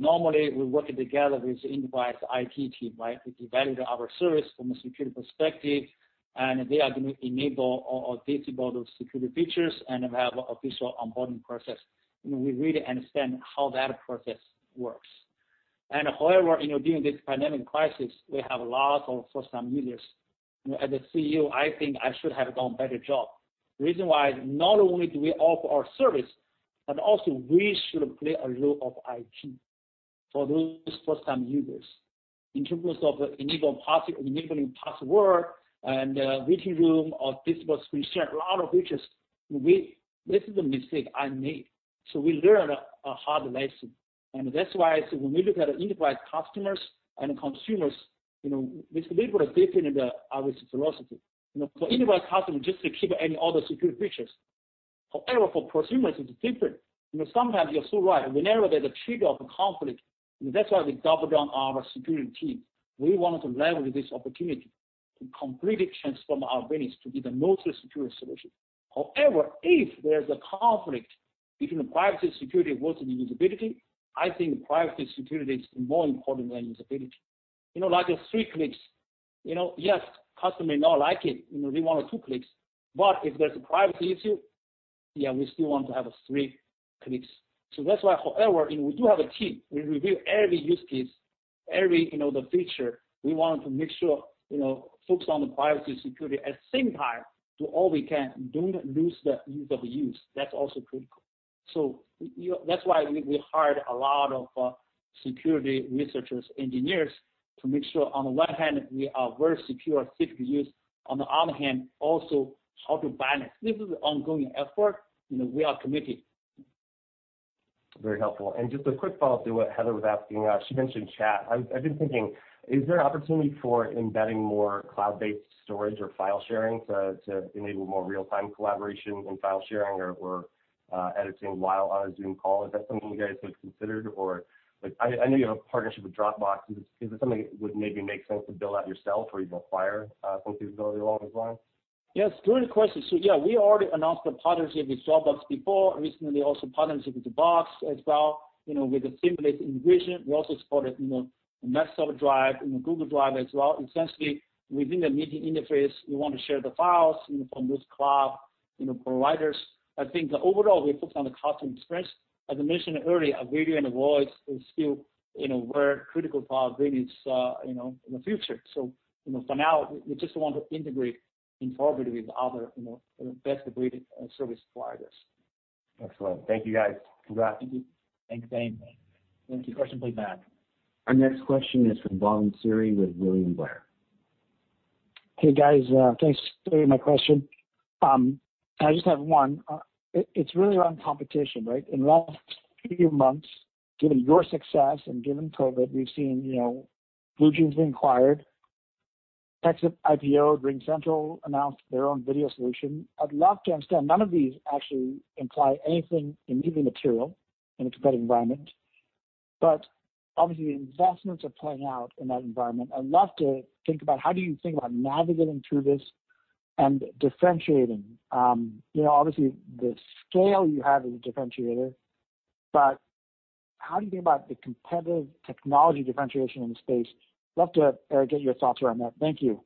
Normally, we work together with the enterprise IT team. They evaluate our service from a security perspective, and they are going to enable or disable those security features, and we have an official onboarding process. We really understand how that process works. However, during this pandemic crisis, we have lots of first-time users. As a CEO, I think I should have done a better job. Reason why, not only do we offer our service, but also we should play a role of IT for those first-time users in terms of enabling password and waiting room or disable screen share, a lot of features. This is the mistake I made. We learned a hard lesson, and that's why when we look at enterprise customers and consumers, we split the difference with our philosophy. For enterprise customer, just keep any other security features. However, for prosumers, it's different. Sometimes you're so right. Whenever there's a trigger of a conflict, that's why we doubled down our security team. We wanted to leverage this opportunity to completely transform our business to be the most secure solution. However, if there's a conflict between the privacy, security versus usability, I think privacy, security is more important than usability. Like three clicks, yes, customer may not like it, they want two clicks. If there's a privacy issue, yeah, we still want to have three clicks. That's why, however, we do have a team. We review every use case, every feature. We want to make sure. Focus on the privacy security. At the same time, do all we can. Don't lose the ease of use. That's also critical. That's why we hired a lot of security researchers, engineers to make sure on one hand, we are very secure, safe to use, on the other hand, also how to balance. This is an ongoing effort. We are committed. Very helpful. Just a quick follow-up to what Heather was asking. She mentioned chat. I've been thinking, is there an opportunity for embedding more cloud-based storage or file sharing to enable more real-time collaboration and file sharing or editing while on a Zoom call? Is that something you guys have considered? I know you have a partnership with Dropbox. Is it something that would maybe make sense to build out yourself, or you go acquire some capability along those lines? Yes, great question. Yeah, we already announced the partnership with Dropbox before. Recently, also partnership with Box as well with a seamless integration. We also supported Microsoft OneDrive and Google Drive as well. Essentially, within the meeting interface, we want to share the files from those cloud providers. I think that overall, we focus on the customer experience. As I mentioned earlier, video and voice is still very critical for our business in the future. For now, we just want to integrate interoperate with other best-of-breed service providers. Excellent. Thank you, guys. Congrats. Thank you. Thanks, Zane. Thank you. Next question, please, Matt. Our next question is from Bhavan Suri with William Blair. Hey, guys. Thanks for taking my question. I just have one. It's really around competition, right? In the last few months, given your success and given COVID, we've seen BlueJeans being acquired, Pexip IPO, RingCentral announced their own video solution. I'd love to understand, none of these actually imply anything immediately material in a competitive environment, but obviously investments are playing out in that environment. I'd love to think about how do you think about navigating through this and differentiating? Obviously, the scale you have is a differentiator, but how do you think about the competitive technology differentiation in the space? Love to, Eric, get your thoughts around that. Thank you.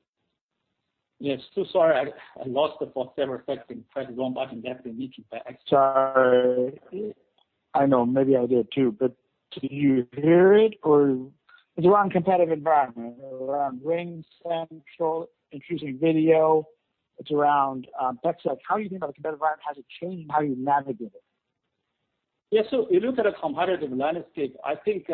Yes. Sorry, I lost the first several seconds. Try to go back and get the intro back. Sorry. I know. Maybe I did too. Can you hear it or? It's around competitive environment, around RingCentral introducing video. It's around Pexip. How do you think about the competitive environment? How does it change and how you navigate it? You look at the competitive landscape. I think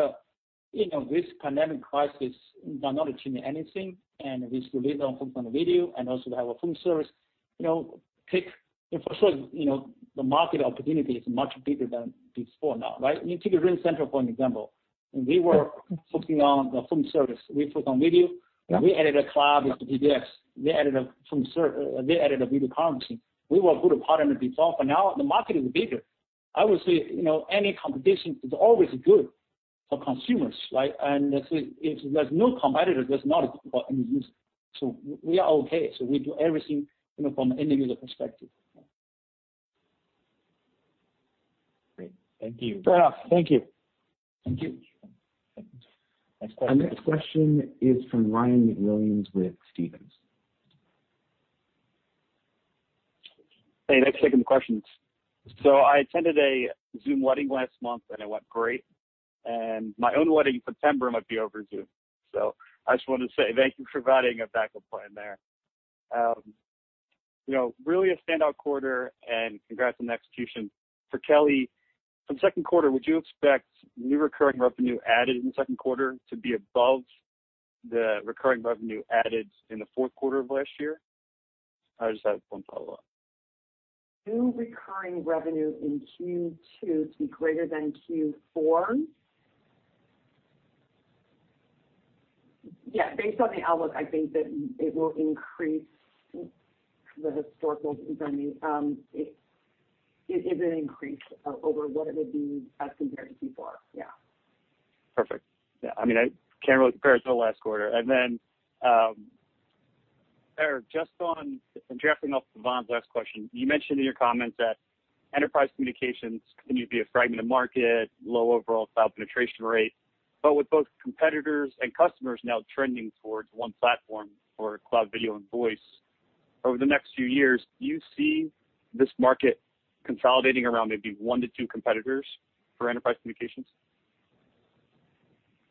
this pandemic crisis does not change anything, and we still focus on video and also we have a phone service. Take, for sure, the market opportunity is much bigger than before now, right? You take RingCentral, for example. We were focusing on the phone service. We focused on video. We added a cloud PBX. They added a video conferencing. We were a good partner before. For now, the market is bigger. I would say any competition is always good for consumers, right? If there's no competitor, there's no end user. We are okay. We do everything from an end user perspective. Great. Thank you. Fair enough. Thank you. Thank you. Our next question is from Ryan MacWilliams with Stephens. Hey, thanks for taking the questions. I attended a Zoom wedding last month, and it went great, and my own wedding in September might be over Zoom. I just wanted to say thank you for providing a backup plan there. Really a standout quarter, and congrats on the execution. For Kelly, from second quarter, would you expect new recurring revenue added in the second quarter to be above the recurring revenue added in the fourth quarter of last year? I just have one follow-up. New recurring revenue in Q2 to be greater than Q4? Yeah. Based on the outlook, I think that it will increase the historical. It will increase over what it would be as compared to before. Yeah. Perfect. Yeah. I can't really compare it to the last quarter. Then, Eric, just on drafting off of Bhavan's last question, you mentioned in your comments that enterprise communications continue to be a fragmented market, low overall cloud penetration rate. With both competitors and customers now trending towards one platform for cloud video and voice, over the next few years, do you see this market consolidating around maybe one to two competitors for enterprise communications?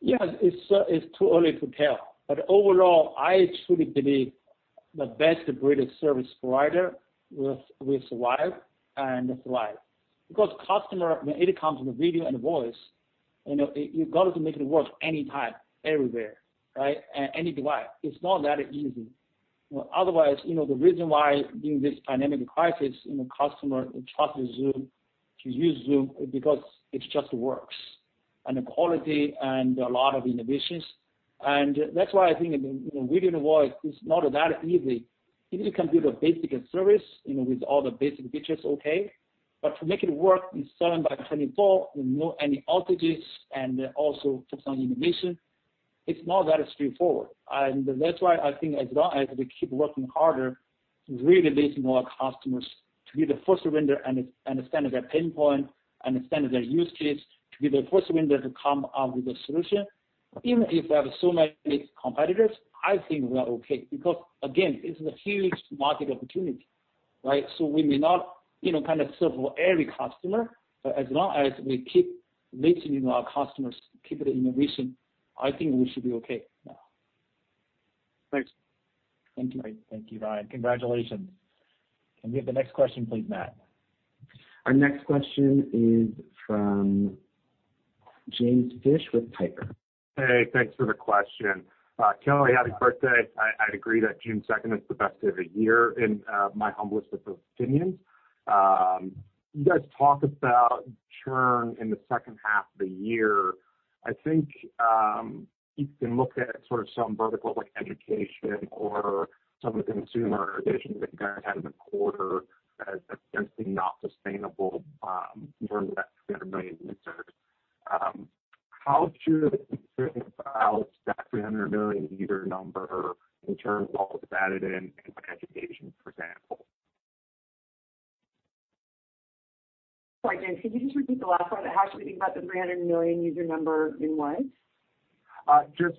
Yes. It's too early to tell. Overall, I truly believe the best-of-breed service provider will survive, and that's why. Customer, when it comes to video and voice, you got to make it work anytime, everywhere, right? Any device. It's not that easy. Otherwise, the reason why during this pandemic crisis, customer trust Zoom, to use Zoom, because it just works, and the quality and a lot of innovations. That's why I think video and voice is not that easy. It can be the basic service, with all the basic features okay. To make it work 7 by 24, no any outages, and also focus on innovation, it's not that straightforward. That's why I think as long as we keep working harder, really listening to our customers to be the first vendor and understand their pain point, understand their use case, to be the first vendor to come up with a solution. Even if we have so many competitors, I think we are okay because again, it's a huge market opportunity, right? We may not serve every customer, but as long as we keep listening to our customers, keep the innovation, I think we should be okay. Thanks. Thank you. Thank you, Ryan. Congratulations. Can we have the next question please, Matt? Our next question is from James Fish with Piper Sandler. Hey, thanks for the question. Kelly, happy birthday. I agree that June 2nd is the best day of the year in my humblest of opinions. You guys talk about churn in the second half of the year. I think, you can look at sort of some vertical like education or some of the consumer additions that you guys had in the quarter as essentially not sustainable in terms of that 300 million users. How should we think about that 300 million user number in terms of what was added in education, for example? Sorry, James, could you just repeat the last part? How should we think about the 300 million user number in what? Just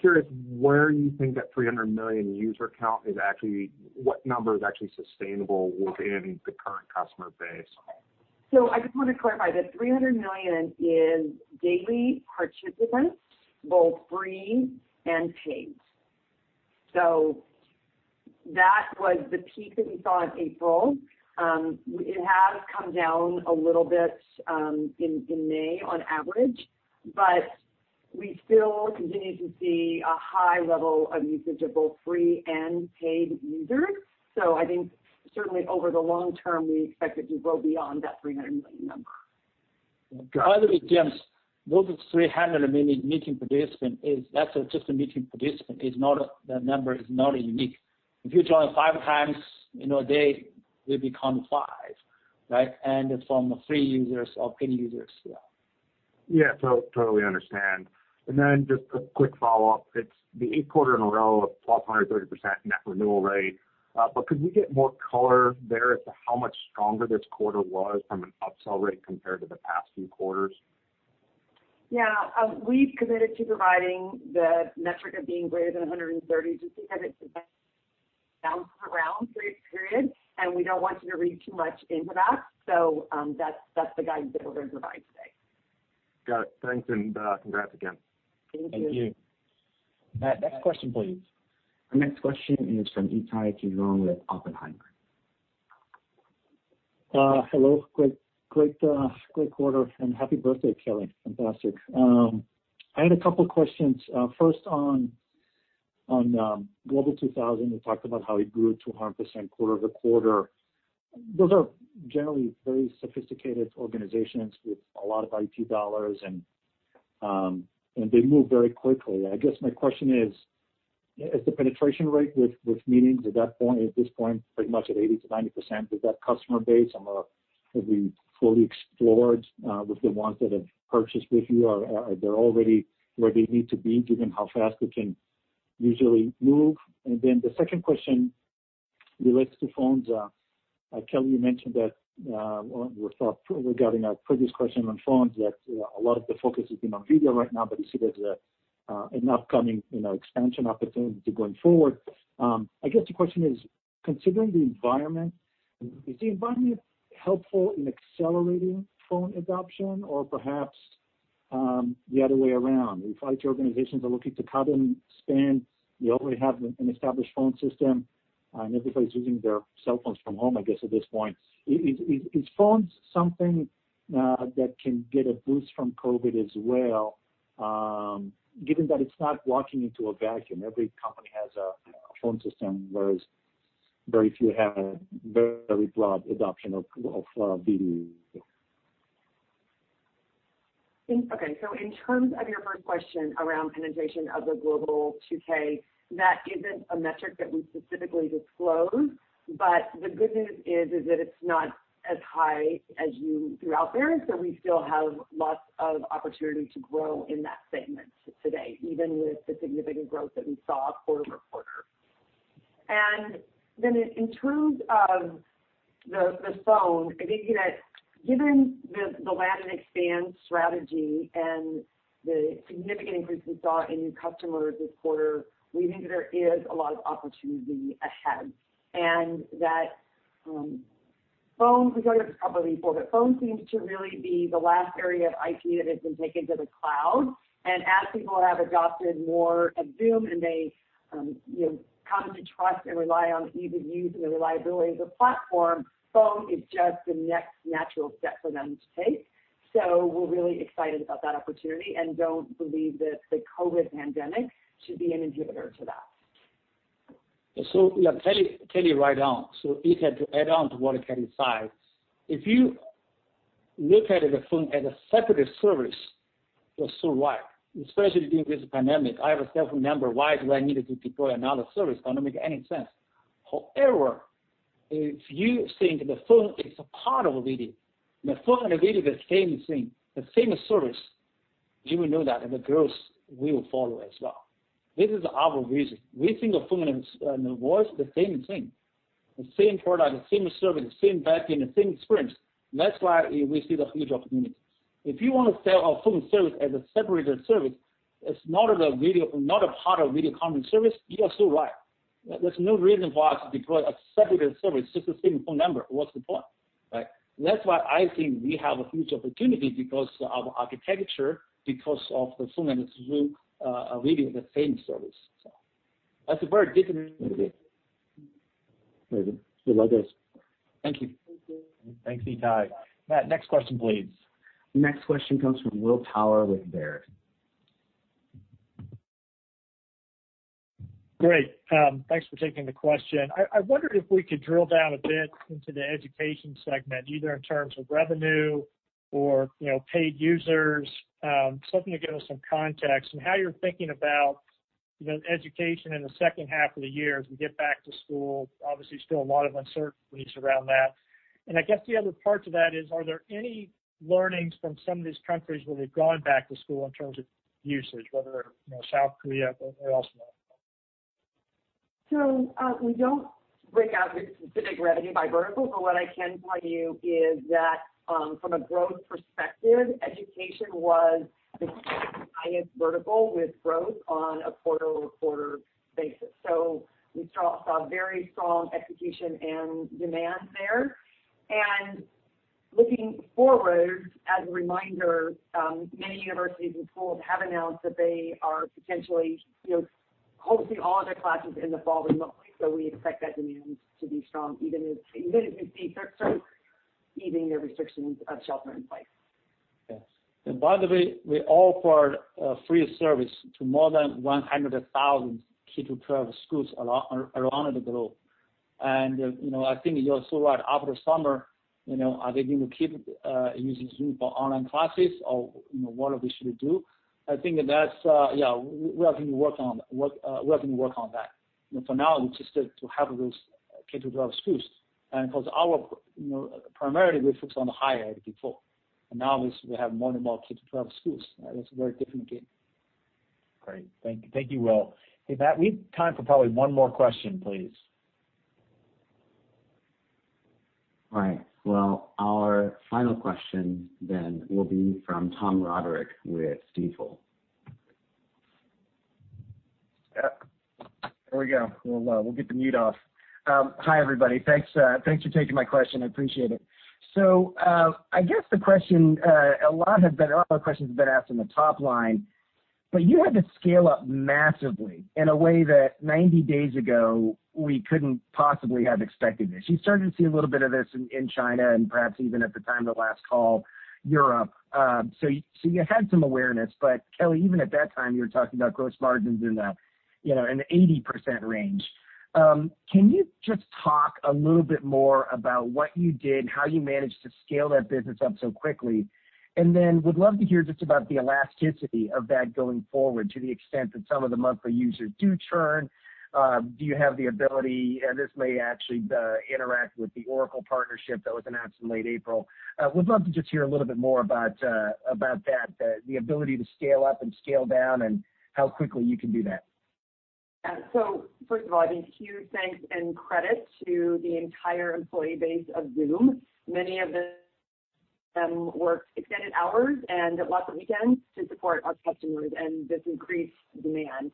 curious where you think that 300 million user count is actually, what number is actually sustainable within the current customer base? I just want to clarify that 300 million is daily participants, both free and paid. That was the peak that we saw in April. It has come down a little bit in May on average, but we still continue to see a high level of usage of both free and paid users. I think certainly over the long term, we expect it to go beyond that 300 million number. By the way, James, those 300 million meeting participants is, that's just a meeting participant. That number is not unique. If you join five times in a day, it become five, right? It's from the free users or paid users as well. Yeah, totally understand. Just a quick follow-up. It's the eighth quarter in a row of 130% net renewal rate. Could we get more color there as to how much stronger this quarter was from an upsell rate compared to the past few quarters? Yeah. We've committed to providing the metric of being greater than 130 just because it's bounced around for eight periods, and we don't want you to read too much into that. That's the guidance that we're going to provide today. Got it. Thanks, and congrats again. Thank you. Thank you. Matt, next question, please. Our next question is from Ittai Kidron with Oppenheimer. Hello, great quarter and happy birthday, Kelly. Fantastic. I had a couple questions. First on Global 2000, you talked about how it grew 200% quarter-over-quarter. Those are generally very sophisticated organizations with a lot of IT dollars, and they move very quickly. I guess my question is the penetration rate with Meetings at that point, at this point, pretty much at 80%-90%? Is that customer base have we fully explored with the ones that have purchased with you? Are they already where they need to be given how fast it can usually move? The second question relates to phones. Kelly, you mentioned that, or your thought regarding a previous question on phones, that a lot of the focus has been on video right now, but you see there's an upcoming expansion opportunity going forward. I guess the question is, considering the environment, is the environment helpful in accelerating phone adoption or perhaps the other way around? If IT organizations are looking to cut in spend, you already have an established phone system, and everybody's using their cell phones from home, I guess, at this point. Is phones something that can get a boost from COVID as well, given that it's not walking into a vacuum? Every company has a phone system, whereas very few have very broad adoption of video. In terms of your first question around penetration of the Global 2000, that isn't a metric that we specifically disclose, but the good news is that it's not as high as you threw out there. We still have lots of opportunity to grow in that segment today, even with the significant growth that we saw quarter-over-quarter. In terms of the phone, I think that given the land and expand strategy and the significant increase we saw in new customers this quarter, we think there is a lot of opportunity ahead. That phone, we talked about this probably before, but phone seems to really be the last area of IT that has been taken to the cloud. As people have adopted more of Zoom and they come to trust and rely on the ease of use and the reliability of the platform, phone is just the next natural step for them to take. We're really excited about that opportunity and don't believe that the COVID pandemic should be an inhibitor to that. Yeah, Kelly right on. Ittai, to add on to what Kelly said, if you look at the phone as a separate service, you're so right, especially during this pandemic. I have a cell phone number. Why do I need to deploy another service? Doesn't make any sense. If you think the phone is a part of a meeting, the phone and the meeting are the same thing, the same service, you will know that, and the growth will follow as well. This is our vision. We think of phone and voice the same thing. The same product, the same service, same backend, the same experience. That's why, we see the huge opportunity. If you want to sell our phone service as a separated service, it's not a part of video conference service, you are so right. There's no reason for us to deploy a separated service, just the same phone number. What's the point, right? That's why I think we have a huge opportunity because our architecture, because of the phone and Zoom are really the same service. That's a very different. Thank you. Thanks, Ittai. Matt, next question, please. Next question comes from Will Power with Baird. Great. Thanks for taking the question. I wondered if we could drill down a bit into the education segment, either in terms of revenue or paid users, something to give us some context on how you're thinking about education in the second half of the year as we get back to school. Obviously, still a lot of uncertainties around that. I guess the other part to that is, are there any learnings from some of these countries where they've gone back to school in terms of usage, whether South Korea or elsewhere? We don't break out the specific revenue by vertical, but what I can tell you is that from a growth perspective, education was the highest vertical with growth on a quarter-over-quarter basis. We saw very strong execution and demand there. Looking forward, as a reminder, many universities and schools have announced that they are potentially hosting all of their classes in the fall remotely. We expect that demand to be strong, even if they start easing their restrictions of shelter in place. Yes. By the way, we offer a free service to more than 100,000 K-12 schools around the globe. I think you're so right, after summer, are they going to keep using Zoom for online classes or what are they going to do? I think that we are going to work on that. For now, we just have to help those K-12 schools. Because primarily, we focused on the higher ed before, and now, obviously, we have more and more K-12 schools. That's a very different game. Great. Thank you, Will. Hey, Matt, we have time for probably one more question, please. Right. Well, our final question then will be from Tom Roderick with Stifel. Yeah. There we go. We'll get the mute off. Hi, everybody. Thanks for taking my question. I appreciate it. I guess a lot of questions have been asked on the top line, but you had to scale up massively in a way that 90 days ago, we couldn't possibly have expected this. You started to see a little bit of this in China and perhaps even at the time of last call, Europe. You had some awareness, but Kelly, even at that time, you were talking about gross margins in the 80% range. Can you just talk a little bit more about what you did, how you managed to scale that business up so quickly? Would love to hear just about the elasticity of that going forward to the extent that some of the monthly users do churn. Do you have the ability, and this may actually interact with the Oracle partnership that was announced in late April? Would love to just hear a little bit more about that, the ability to scale up and scale down, and how quickly you can do that. First of all, a huge thanks and credit to the entire employee base of Zoom. Many of them worked extended hours and lots of weekends to support our customers and this increased demand.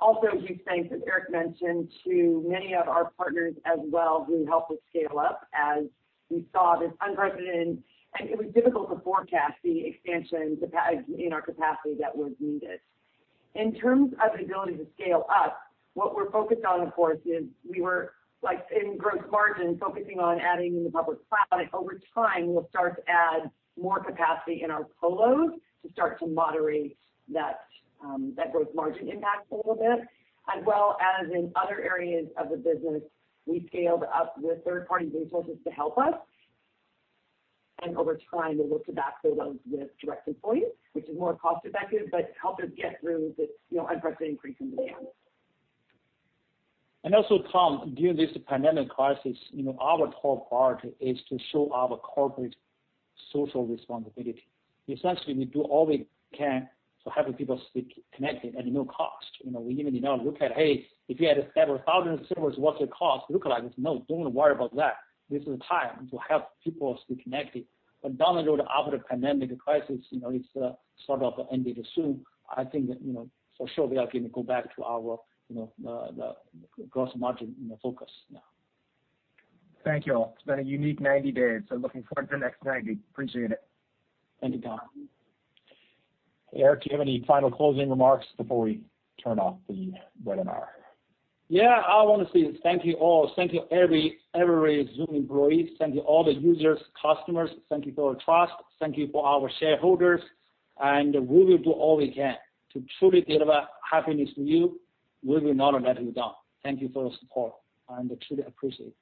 Also, huge thanks, as Eric mentioned, to many of our partners as well, who helped us scale up as we saw this unprecedented, and it was difficult to forecast the expansion in our capacity that was needed. In terms of the ability to scale up, what we're focused on, of course, is, like in gross margin, focusing on adding the public cloud. Over time, we'll add more capacity in our colos to moderate that gross margin impact a little bit. As well as in other areas of the business, we scaled up with third-party resources to help us. Over time, we look to backfill those with direct employees, which is more cost effective, but helped us get through this unprecedented increase in demand. Also, Tom, during this pandemic crisis, our top part is to show our corporate social responsibility. Essentially, we do all we can to have people stay connected at no cost. We even now look at, hey, if you added several thousand servers, what's it cost? Look like, no, don't worry about that. This is the time to help people stay connected. Down the road, after the pandemic crisis, it's sort of ended soon, I think that for sure we are going to go back to our gross margin focus now. Thank you all. It's been a unique 90 days, so looking forward to the next 90. Appreciate it. Thank you, Tom. Eric, do you have any final closing remarks before we turn off the webinar? Yeah. I want to say thank you all. Thank you every Zoom employee. Thank you all the users, customers. Thank you for your trust. Thank you for our shareholders, and we will do all we can to truly deliver happiness to you. We will not let you down. Thank you for the support, and truly appreciate it.